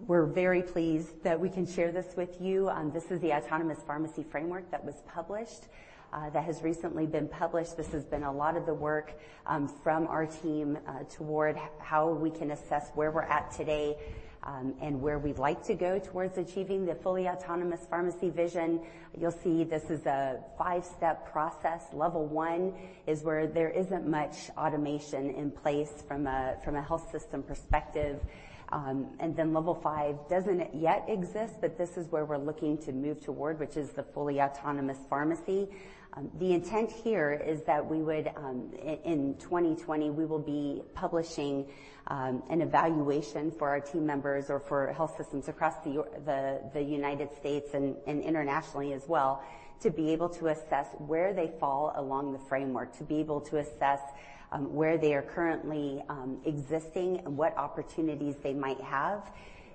We're very pleased that we can share this with you. This is the Autonomous Pharmacy framework that was published, that has recently been published. This has been a lot of the work from our team toward how we can assess where we're at today, and where we'd like to go towards achieving the fully Autonomous Pharmacy vision. You'll see this is a five-step process. Level one is where there isn't much automation in place from a health system perspective. Level five doesn't yet exist, but this is where we're looking to move toward, which is the fully Autonomous Pharmacy. The intent here is that we would, in 2020, we will be publishing an evaluation for our team members or for health systems across the U.S. and internationally as well, to be able to assess where they fall along the Autonomous Pharmacy framework, to be able to assess where they are currently existing and what opportunities they might have.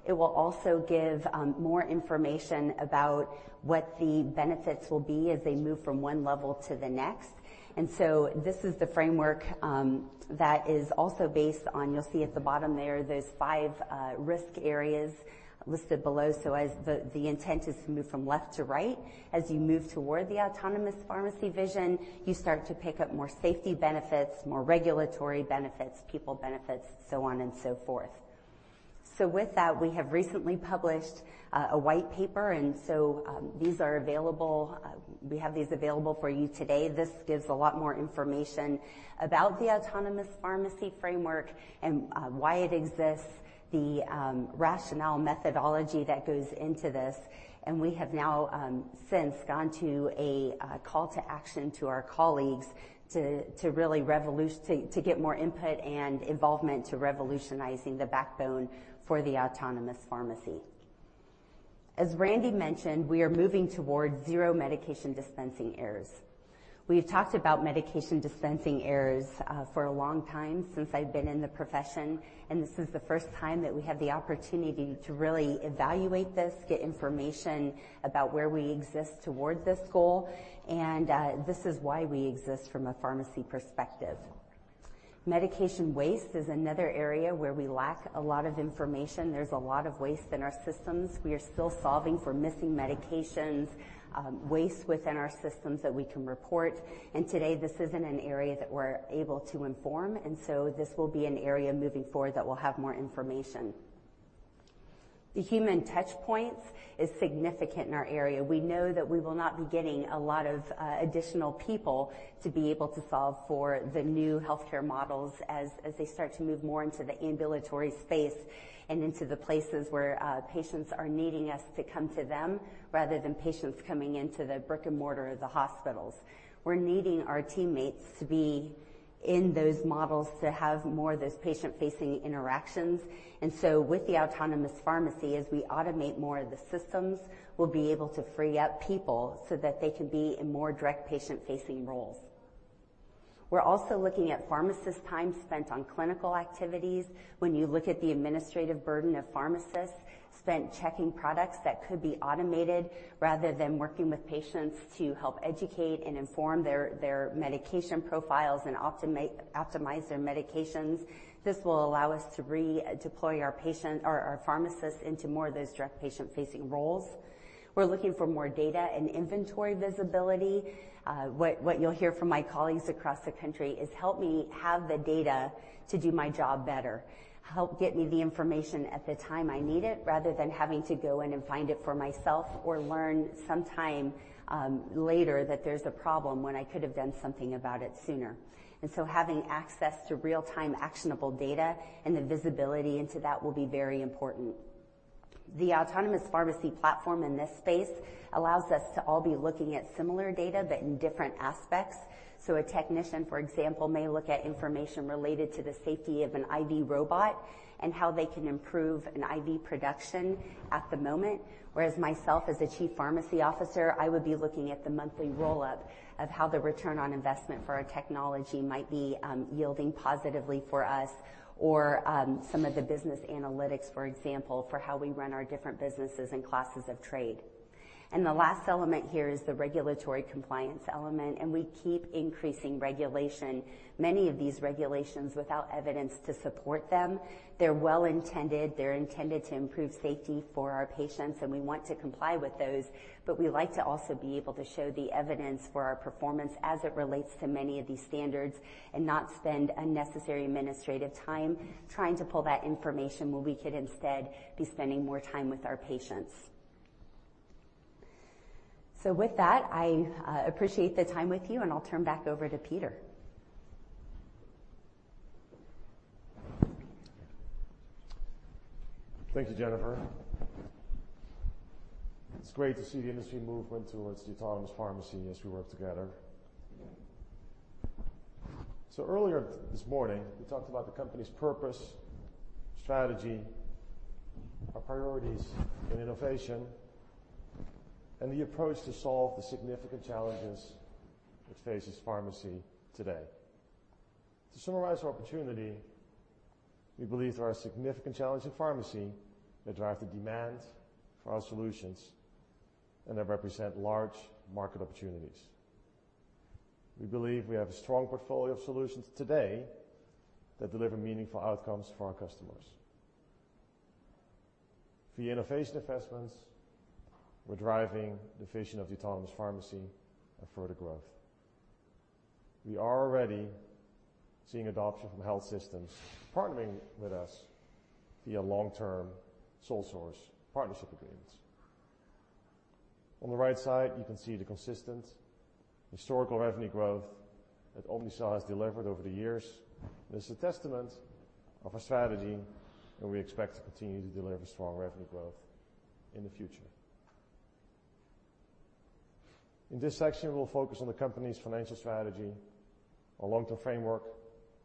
It will also give more information about what the benefits will be as they move from one level to the next. This is the framework that is also based on, you'll see at the bottom there, those five risk areas listed below. As the intent is to move from left to right, as you move toward the Autonomous Pharmacy vision, you start to pick up more safety benefits, more regulatory benefits, people benefits, so on and so forth. With that, we have recently published a white paper, these are available. We have these available for you today. This gives a lot more information about the Autonomous Pharmacy framework and why it exists, the rationale methodology that goes into this. We have now since gone to a call to action to our colleagues to get more input and involvement to revolutionizing the backbone for the Autonomous Pharmacy. As Randy mentioned, we are moving towards 0 medication dispensing errors. We've talked about medication dispensing errors for a long time, since I've been in the profession. This is the first time that we have the opportunity to really evaluate this, get information about where we exist towards this goal, and this is why we exist from a pharmacy perspective. Medication waste is another area where we lack a lot of information. There's a lot of waste in our systems. We are still solving for missing medications, waste within our systems that we can report, and today, this is in an area that we're able to inform, and so this will be an area moving forward that will have more information. The human touch points is significant in our area. We know that we will not be getting a lot of additional people to be able to solve for the new healthcare models as they start to move more into the ambulatory space and into the places where patients are needing us to come to them rather than patients coming into the brick-and-mortar of the hospitals. We're needing our teammates to be in those models to have more of those patient-facing interactions. With the Autonomous Pharmacy, as we automate more of the systems, we'll be able to free up people so that they can be in more direct patient-facing roles. We're also looking at pharmacist time spent on clinical activities. When you look at the administrative burden of pharmacists spent checking products that could be automated rather than working with patients to help educate and inform their medication profiles and optimize their medications. This will allow us to redeploy our pharmacists into more of those direct patient-facing roles. We're looking for more data and inventory visibility. What you'll hear from my colleagues across the country is, "Help me have the data to do my job better. Help get me the information at the time I need it, rather than having to go in and find it for myself or learn sometime later that there's a problem when I could have done something about it sooner. Having access to real-time actionable data and the visibility into that will be very important. The Autonomous Pharmacy platform in this space allows us to all be looking at similar data, but in different aspects. A technician, for example, may look at information related to the safety of an IV robot and how they can improve an IV production at the moment. Whereas myself, as the chief pharmacy officer, I would be looking at the monthly roll-up of how the return on investment for our technology might be yielding positively for us or some of the business analytics, for example, for how we run our different businesses and classes of trade. The last element here is the regulatory compliance element. We keep increasing regulation. Many of these regulations, without evidence to support them, they're well-intended. They're intended to improve safety for our patients, and we want to comply with those, but we like to also be able to show the evidence for our performance as it relates to many of these standards and not spend unnecessary administrative time trying to pull that information when we could instead be spending more time with our patients. With that, I appreciate the time with you, and I'll turn back over to Peter. Thank you, Jennifer. It's great to see the industry movement towards the Autonomous Pharmacy as we work together. Earlier this morning, we talked about the company's purpose, strategy, our priorities in innovation, and the approach to solve the significant challenges that face pharmacy today. To summarize our opportunity, we believe there are significant challenges in pharmacy that drive the demand for our solutions and that represent large market opportunities. We believe we have a strong portfolio of solutions today that deliver meaningful outcomes for our customers. Via innovation investments, we're driving the vision of the Autonomous Pharmacy and further growth. We are already seeing adoption from health systems partnering with us via long-term sole source partnership agreements. On the right side, you can see the consistent historical revenue growth that Omnicell has delivered over the years, and it's a testament of our strategy, and we expect to continue to deliver strong revenue growth in the future. In this section, we will focus on the company's financial strategy, our long-term framework,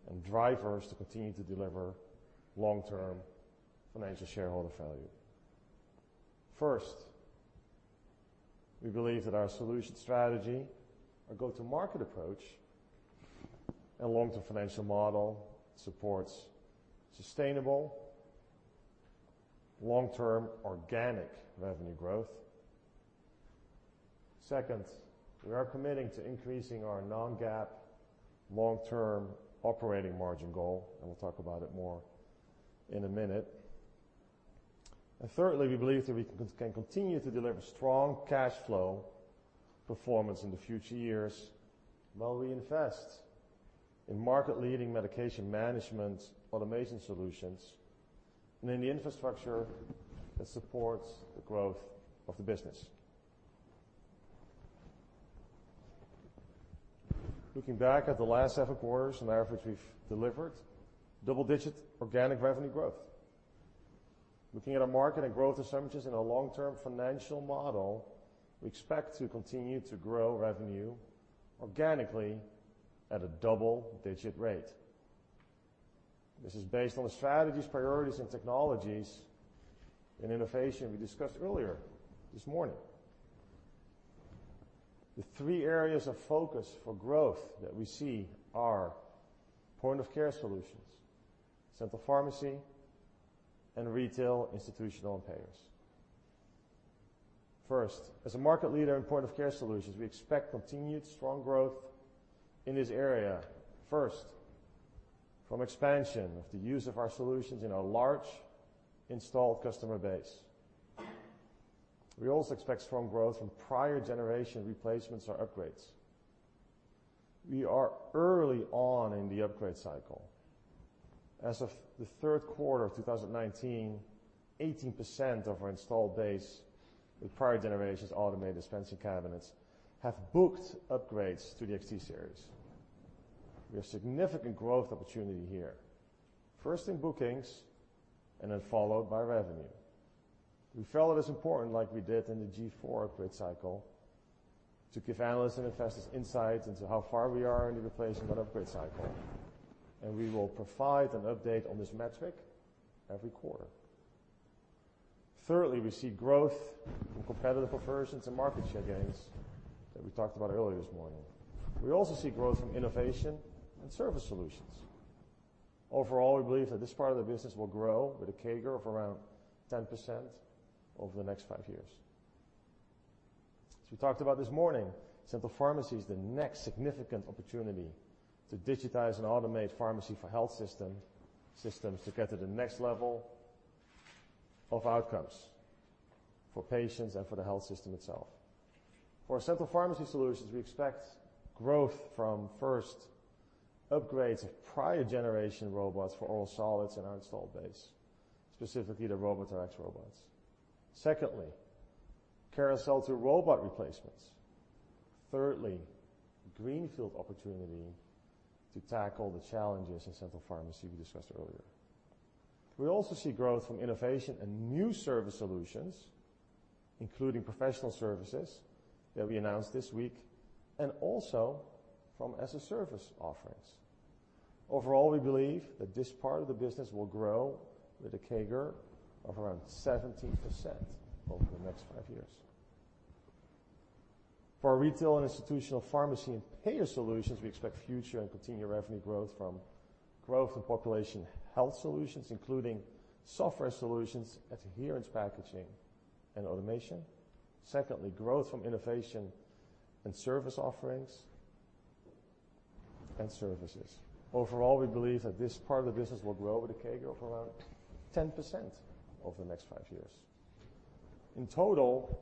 and drivers to continue to deliver long-term financial shareholder value. First, we believe that our solution strategy, our go-to-market approach, and long-term financial model supports sustainable long-term organic revenue growth. Second, we are committing to increasing our non-GAAP long-term operating margin goal, and we'll talk about it more in a minute. Thirdly, we believe that we can continue to deliver strong cash flow performance in the future years while we invest in market-leading medication management automation solutions and in the infrastructure that supports the growth of the business. Looking back at the last several quarters and the efforts we've delivered, double-digit organic revenue growth. Looking at our market and growth assumptions and our long-term financial model, we expect to continue to grow revenue organically at a double-digit rate. This is based on the strategies, priorities, and technologies in innovation we discussed earlier this morning. The three areas of focus for growth that we see are point-of-care solutions, Central Pharmacy, and retail institutional payers. First, as a market leader in point-of-care solutions, we expect continued strong growth in this area. First, from expansion of the use of our solutions in our large installed customer base. We also expect strong growth from prior generation replacements or upgrades. We are early on in the upgrade cycle. As of the third quarter of 2019, 18% of our installed base with prior generations automated dispensing cabinets have booked upgrades to the XT Series. We have significant growth opportunity here, first in bookings and then followed by revenue. We felt it was important, like we did in the G4 upgrade cycle, to give analysts and investors insights into how far we are in the replacement and upgrade cycle, and we will provide an update on this metric every quarter. Thirdly, we see growth from competitor conversions and market share gains that we talked about earlier this morning. We also see growth from innovation and service solutions. Overall, we believe that this part of the business will grow with a CAGR of around 10% over the next five years. As we talked about this morning, Central Pharmacy is the next significant opportunity to digitize and automate pharmacy for health systems to get to the next level of outcomes for patients and for the health system itself. For Central Pharmacy solutions, we expect growth from, first, upgrades of prior generation robots for oral solids in our installed base, specifically the ROBOT-Rx robots. Secondly, carousel to robot replacements. Thirdly, greenfield opportunity to tackle the challenges in Central Pharmacy we discussed earlier. We also see growth from innovation and new service solutions, including professional services that we announced this week and also from as-a-service offerings. Overall, we believe that this part of the business will grow with a CAGR of around 17% over the next five years. For our retail and institutional pharmacy and payer solutions, we expect future and continued revenue growth from growth in population health solutions, including software solutions, adherence packaging, and automation. Secondly, growth from innovation and service offerings and services. Overall, we believe that this part of the business will grow with a CAGR of around 10% over the next five years. In total,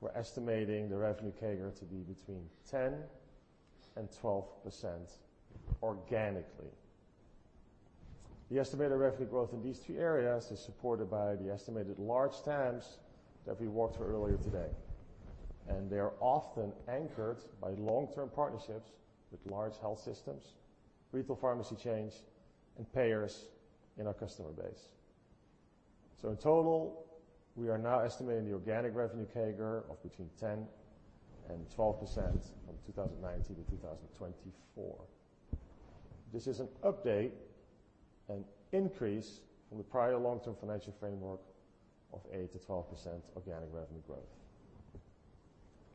we're estimating the revenue CAGR to be between 10% and 12% organically. The estimated revenue growth in these three areas is supported by the estimated large trends that we walked through earlier today. They are often anchored by long-term partnerships with large health systems, retail pharmacy chains, and payers in our customer base. In total, we are now estimating the organic revenue CAGR of between 10% and 12% from 2019 to 2024. This is an update, an increase from the prior long-term financial framework of 8%-10% organic revenue growth.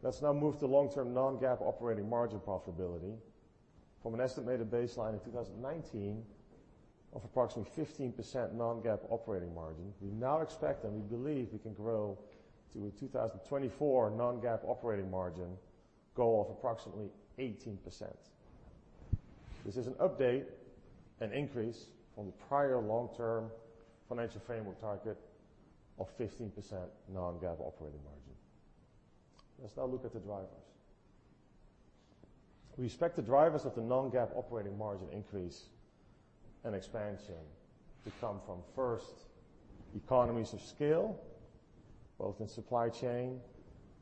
Let's now move to long-term non-GAAP operating margin profitability. From an estimated baseline in 2019 of approximately 15% non-GAAP operating margin, we now expect and we believe we can grow to a 2024 non-GAAP operating margin goal of approximately 18%. This is an update, an increase from the prior long-term financial framework target of 15% non-GAAP operating margin. Let's now look at the drivers. We expect the drivers of the non-GAAP operating margin increase and expansion to come from, first, economies of scale, both in supply chain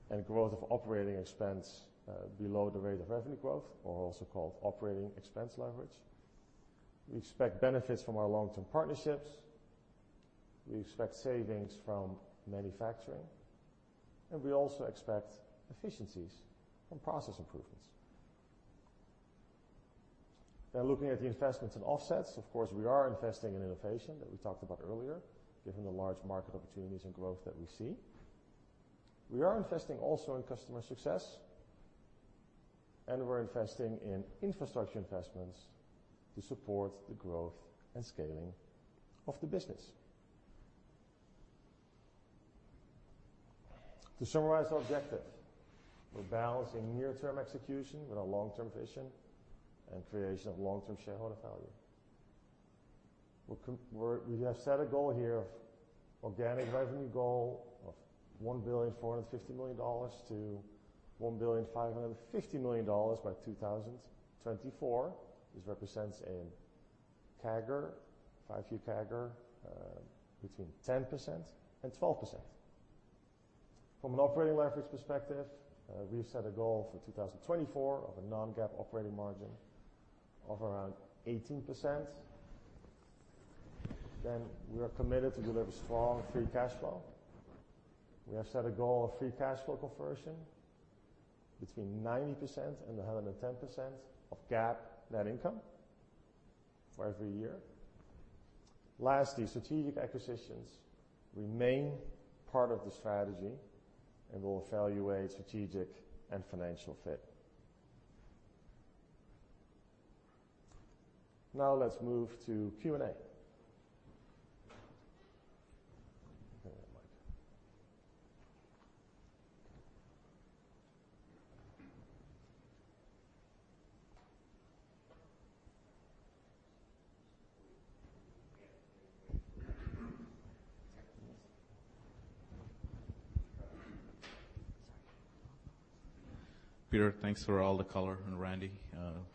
and growth of operating expense below the rate of revenue growth or also called operating expense leverage. We expect benefits from our long-term partnerships. We expect savings from manufacturing, and we also expect efficiencies from process improvements. Now looking at the investments and offsets, of course, we are investing in innovation that we talked about earlier, given the large market opportunities and growth that we see. We are investing also in customer success, and we're investing in infrastructure investments to support the growth and scaling of the business. To summarize our objective, we're balancing near-term execution with our long-term vision and creation of long-term shareholder value. We have set a goal here of organic revenue goal of $1.45 billion-$1.55 billion by 2024. This represents a five-year CAGR between 10% and 12%. From an operating leverage perspective, we've set a goal for 2024 of a non-GAAP operating margin of around 18%. We are committed to deliver strong free cash flow. We have set a goal of free cash flow conversion between 90% and 110% of GAAP net income for every year. Lastly, strategic acquisitions remain part of the strategy, and we'll evaluate strategic and financial fit. Now let's move to Q&A. the mic. Sorry. Peter, thanks for all the color, and Randy,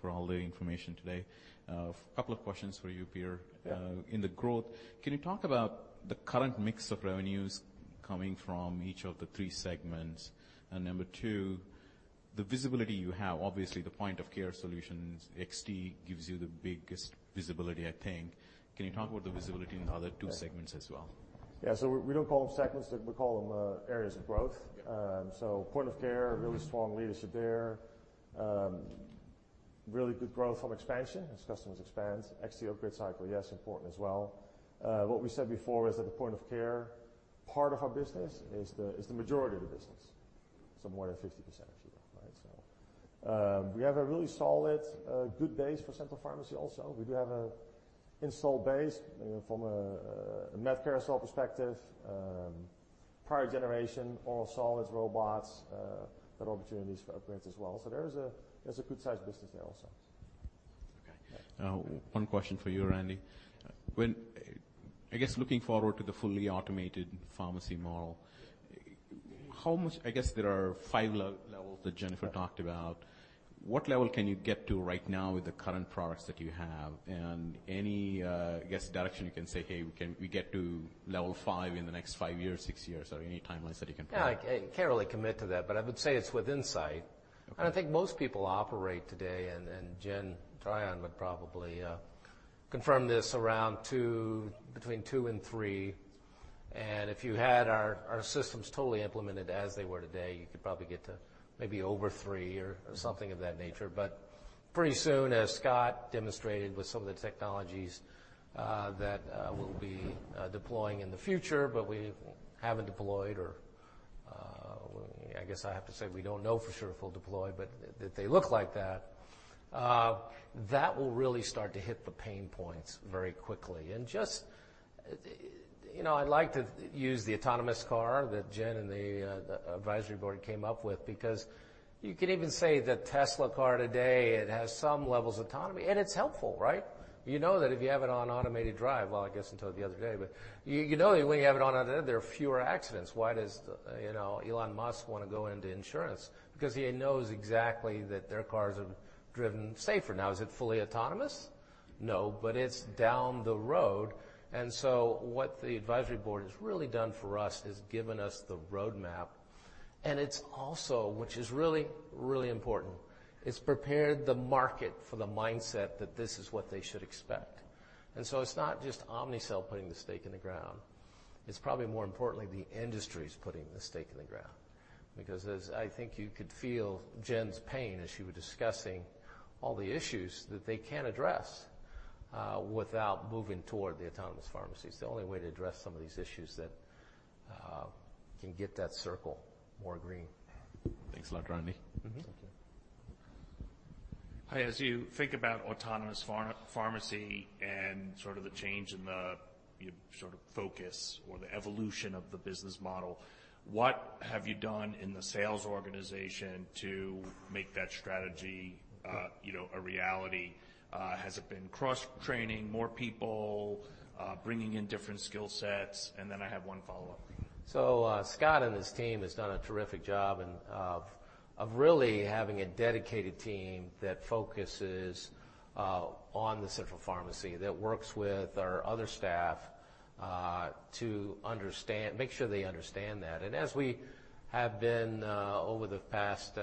for all the information today. A couple of questions for you, Peter. Yeah. In the growth, can you talk about the current mix of revenues coming from each of the three segments? Number two, the visibility you have. Obviously, the point of care solutions, XT, gives you the biggest visibility, I think. Can you talk about the visibility in the other two segments as well? Yeah. We don't call them segments, we call them areas of growth. Yeah. Point-of-care, really strong leadership there. Really good growth from expansion as customers expand. XT upgrade cycle, yes, important as well. What we said before is that the point-of-care part of our business is the majority of the business, so more than 50%, actually. We have a really solid, good base for Central Pharmacy also. We do have an install base fr om a MedCarousel perspective, prior generation oral solids robots, got opportunities for upgrades as well. There's a good-sized business there also. Okay. One question for you, Randy. Looking forward to the fully automated pharmacy model, there are five levels that Jennifer talked about. What level can you get to right now with the current products that you have? Any direction you can say, hey, we get to level five in the next five years, six years, or any timelines that you can provide. Yeah, I can't really commit to that, but I would say it's within sight. Okay. I think most people operate today, and Jen Tryon would probably confirm this, around between two and three. If you had our systems totally implemented as they were today, you could probably get to maybe over three or something of that nature. Pretty soon, as Scott demonstrated with some of the technologies that we'll be deploying in the future, but we haven't deployed or, I guess I have to say we don't know for sure if we'll deploy, but that they look like that. That will really start to hit the pain points very quickly. Just, I'd like to use the autonomous car that Jen and the Advisory Board came up with because you could even say the Tesla car today, it has some levels of autonomy, and it's helpful, right? You know that if you have it on automated drive, well, I guess until the other day, but you know when you have it on, there are fewer accidents. Why does Elon Musk want to go into insurance? He knows exactly that their cars are driven safer. Is it fully autonomous? No, but it's down the road. What the Advisory Board has really done for us is given us the roadmap, and it's also, which is really, really important, it's prepared the market for the mindset that this is what they should expect. It's not just Omnicell putting the stake in the ground. It's probably more importantly, the industry's putting the stake in the ground. As I think you could feel Jen's pain as she was discussing all the issues that they can't address, without moving toward the Autonomous Pharmacy. It's the only way to address some of these issues that can get that circle more green. Thanks a lot, Randy. Thank you. Hi. As you think about Autonomous Pharmacy and sort of the change in the focus or the evolution of the business model, what have you done in the sales organization to make that strategy a reality? Has it been cross-training more people, bringing in different skill sets? I have one follow-up. Scott and his team has done a terrific job of really having a dedicated team that focuses on the Central Pharmacy, that works with our other staff, to make sure they understand that. As we have been, over the past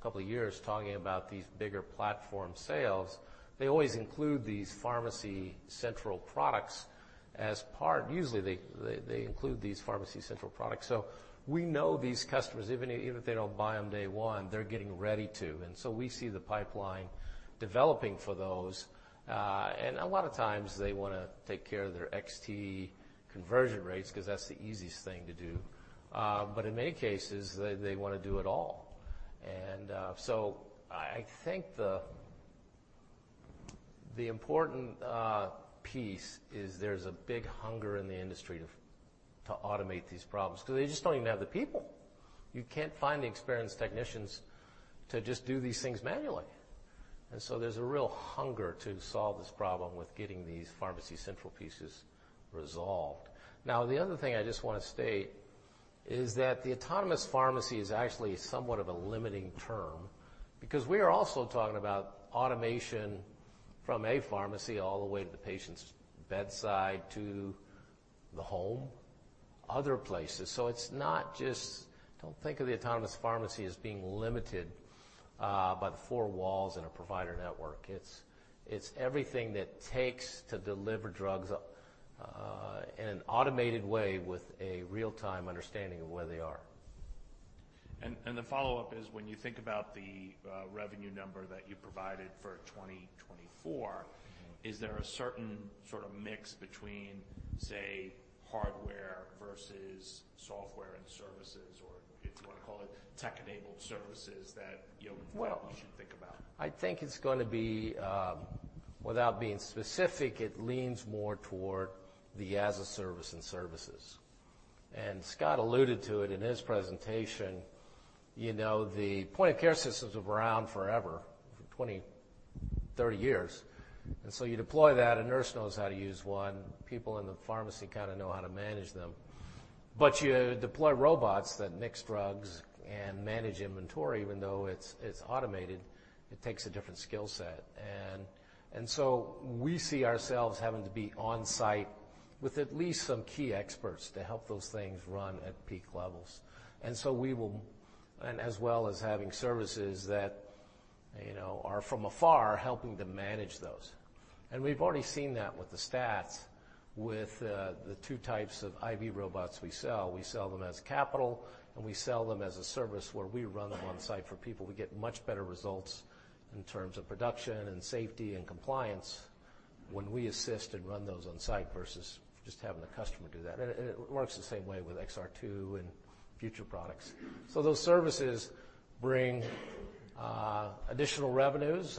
couple of years, talking about these bigger platform sales, they always include these pharmacy central products as part. Usually, they include these pharmacy central products. We know these customers, even if they don't buy on day one, they're getting ready to. We see the pipeline developing for those. A lot of times they want to take care of their XT conversion rates, because that's the easiest thing to do. In many cases, they want to do it all. I think the important piece is there's a big hunger in the industry to automate these problems, because they just don't even have the people. You can't find the experienced technicians to just do these things manually. There's a real hunger to solve this problem with getting these pharmacy central pieces resolved. Now, the other thing I just want to state is that the Autonomous Pharmacy is actually somewhat of a limiting term, because we are also talking about automation from a pharmacy all the way to the patient's bedside, to the home, other places. Don't think of the Autonomous Pharmacy as being limited by the four walls in a provider network. It's everything that it takes to deliver drugs, in an automated way with a real-time understanding of where they are. The follow-up is, when you think about the revenue number that you provided for 2024. Is there a certain sort of mix between, say, hardware versus software and services, or if you want to call it tech-enabled services? Well- You should think about. I think it's going to be, without being specific, it leans more toward the as-a-service and services. Scott alluded to it in his presentation. The point-of-care systems have been around forever, for 20, 30 years. You deploy that, a nurse knows how to use one. People in the pharmacy kind of know how to manage them. You deploy robots that mix drugs and manage inventory, even though it's automated, it takes a different skill set. We see ourselves having to be on-site with at least some key experts to help those things run at peak levels. We will, and as well as having services that are from afar, helping to manage those. We've already seen that with the stats with the two types of IV robots we sell. We sell them as capital, and we sell them as-a-service where we run them on-site for people. We get much better results in terms of production and safety and compliance when we assist and run those on-site versus just having the customer do that. It works the same way with XR2 and future products. Those services bring additional revenues,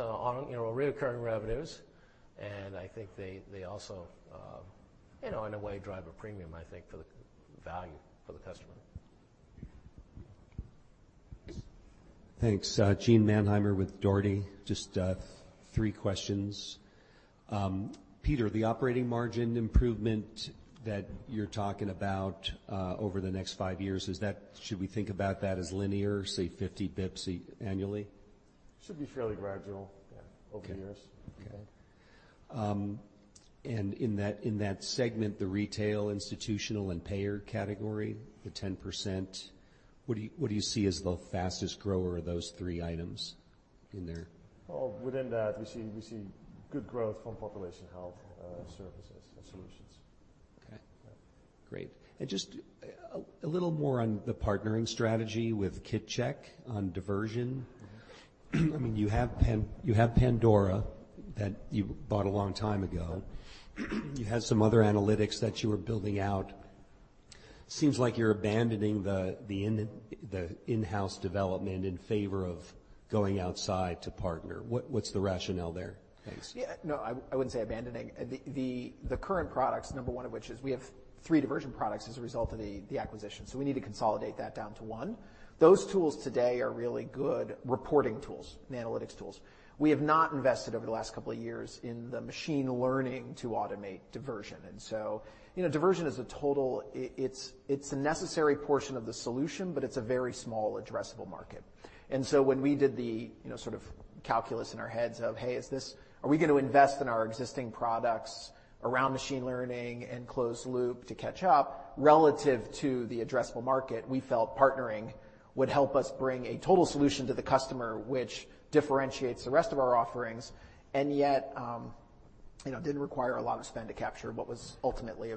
recurring revenues. I think they also, in a way, drive a premium, I think, for the value for the customer. Thanks. Gene Mannheimer with Dougherty. Just three questions. Peter, the operating margin improvement that you're talking about, over the next five years, should we think about that as linear, say 50 basis points annually? Should be fairly gradual. Okay. Over the years. Okay. In that segment, the retail, institutional, and payer category, the 10%, what do you see as the fastest grower of those three items in there? Well, within that, we see good growth from population health services and solutions. Okay. Great. Just a little more on the partnering strategy with Kit Check on diversion. I mean, you have Pandora that you bought a long time ago. Right. You had some other analytics that you were building out. Seems like you're abandoning the in-house development in favor of going outside to partner. What's the rationale there? Thanks. Yeah. No, I wouldn't say abandoning. The current products, number one of which is we have three diversion products as a result of the acquisition, so we need to consolidate that down to one. Those tools today are really good reporting tools and analytics tools. We have not invested over the last couple of years in the machine learning to automate diversion. Diversion is a necessary portion of the solution, but it's a very small addressable market. When we did the sort of calculus in our heads of, hey, are we going to invest in our existing products around machine learning and closed loop to catch up relative to the addressable market? We felt partnering would help us bring a total solution to the customer, which differentiates the rest of our offerings. Yet, it did require a lot of spend to capture what was ultimately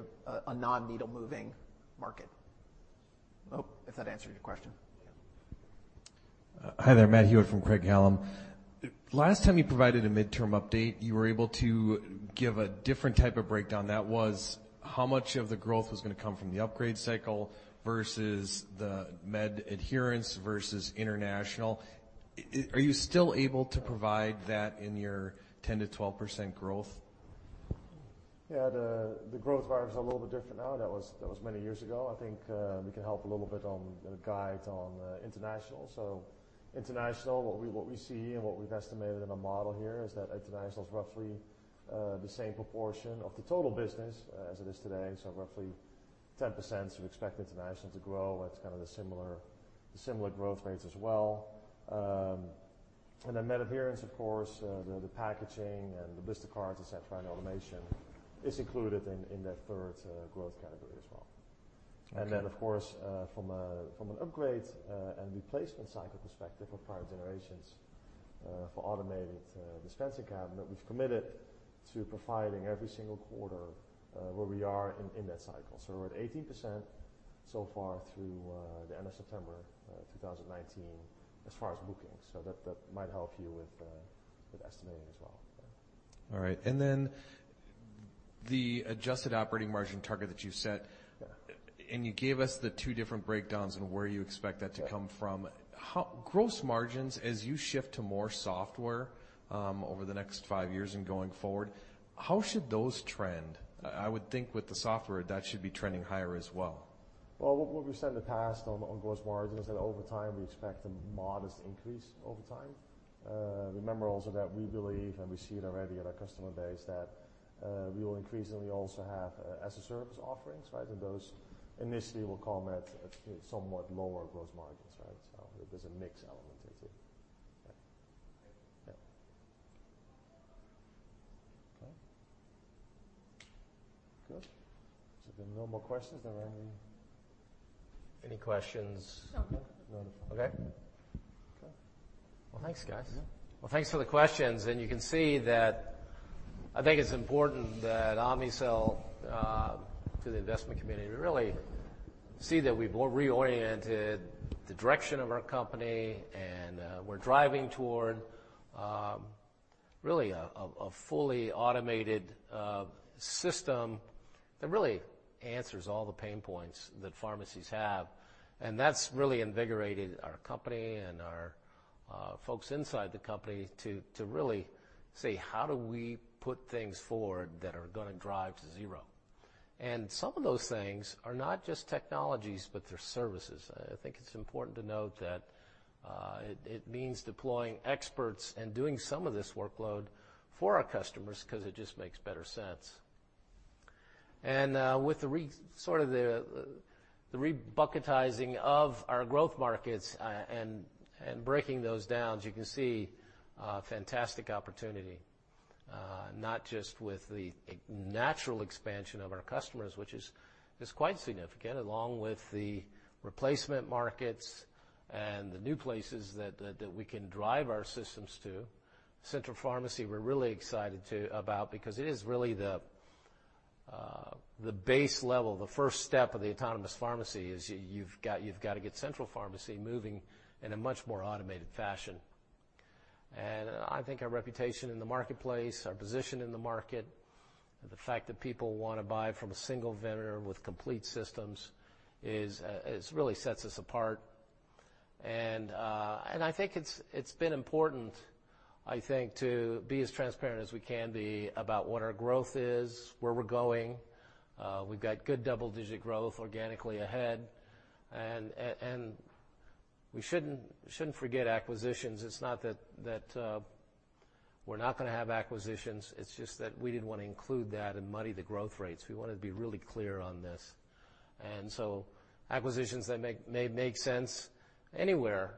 a non-needle moving market. I hope that answered your question. Hi there. Matt Hewitt from Craig-Hallum. Last time you provided a midterm update, you were able to give a different type of breakdown. That was how much of the growth was going to come from the upgrade cycle versus the med adherence versus international. Are you still able to provide that in your 10%-12% growth? Yeah. The growth drivers are a little bit different now. That was many years ago. I think we can help a little bit on the guides on international. International, what we see and what we've estimated in a model here is that international is roughly the same proportion of the total business as it is today. Roughly 10% sort of expect international to grow at kind of the similar growth rates as well. Med adherence, of course, the packaging and the blister cards, et cetera, and automation is included in that third growth category as well. Okay. Of course, from an upgrade and replacement cycle perspective of prior generations, for automated dispensing cabinet, we've committed to providing every single quarter, where we are in that cycle. We're at 18% so far through the end of September 2019 as far as bookings, so that might help you with estimating as well. Yeah. All right. The adjusted operating margin target that you set. Yeah. You gave us the two different breakdowns on where you expect that to come from. Yeah. Gross margins, as you shift to more software over the next five years and going forward, how should those trend? I would think with the software, that should be trending higher as well. Well, what we've said in the past on gross margins, that over time, we expect a modest increase over time. Remember also that we believe, and we see it already in our customer base, that we will increasingly also have as-a-service offerings. Those initially will come at somewhat lower gross margins. There's a mix element into it. Yeah. Okay. Good. If there are no more questions, are there any? Any questions? No. Okay. Okay. Well, thanks, guys. Yeah. Well, thanks for the questions, and you can see that I think it's important that Omnicell, to the investment community, really see that we've reoriented the direction of our company, and we're driving toward really a fully automated system that really answers all the pain points that pharmacies have. That's really invigorated our company and our folks inside the company to really say, "How do we put things forward that are going to drive to 0?" Some of those things are not just technologies, but they're services. I think it's important to note that it means deploying experts and doing some of this workload for our customers because it just makes better sense. With the re-bucketizing of our growth markets and breaking those down, as you can see, fantastic opportunity, not just with the natural expansion of our customers, which is quite significant, along with the replacement markets and the new places that we can drive our systems to. Central Pharmacy, we're really excited about because it is really the base level. The first step of the Autonomous Pharmacy is you've got to get Central Pharmacy moving in a much more automated fashion. I think our reputation in the marketplace, our position in the market, the fact that people want to buy from a single vendor with complete systems really sets us apart. I think it's been important to be as transparent as we can be about what our growth is, where we're going. We've got good double-digit growth organically ahead, and we shouldn't forget acquisitions. It's not that we're not going to have acquisitions. It's just that we didn't want to include that and muddy the growth rates. We wanted to be really clear on this. Acquisitions may make sense anywhere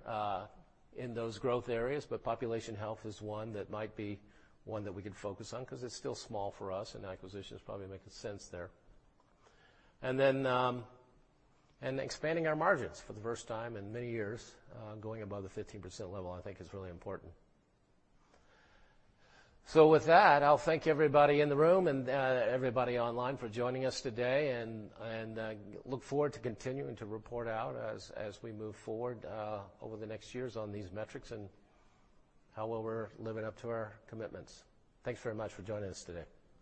in those growth areas, but population health is one that might be one that we could focus on because it's still small for us, and acquisitions probably make sense there. Expanding our margins for the first time in many years, going above the 15% level, I think is really important. With that, I'll thank everybody in the room and everybody online for joining us today, and look forward to continuing to report out as we move forward over the next years on these metrics and how well we're living up to our commitments. Thanks very much for joining us today.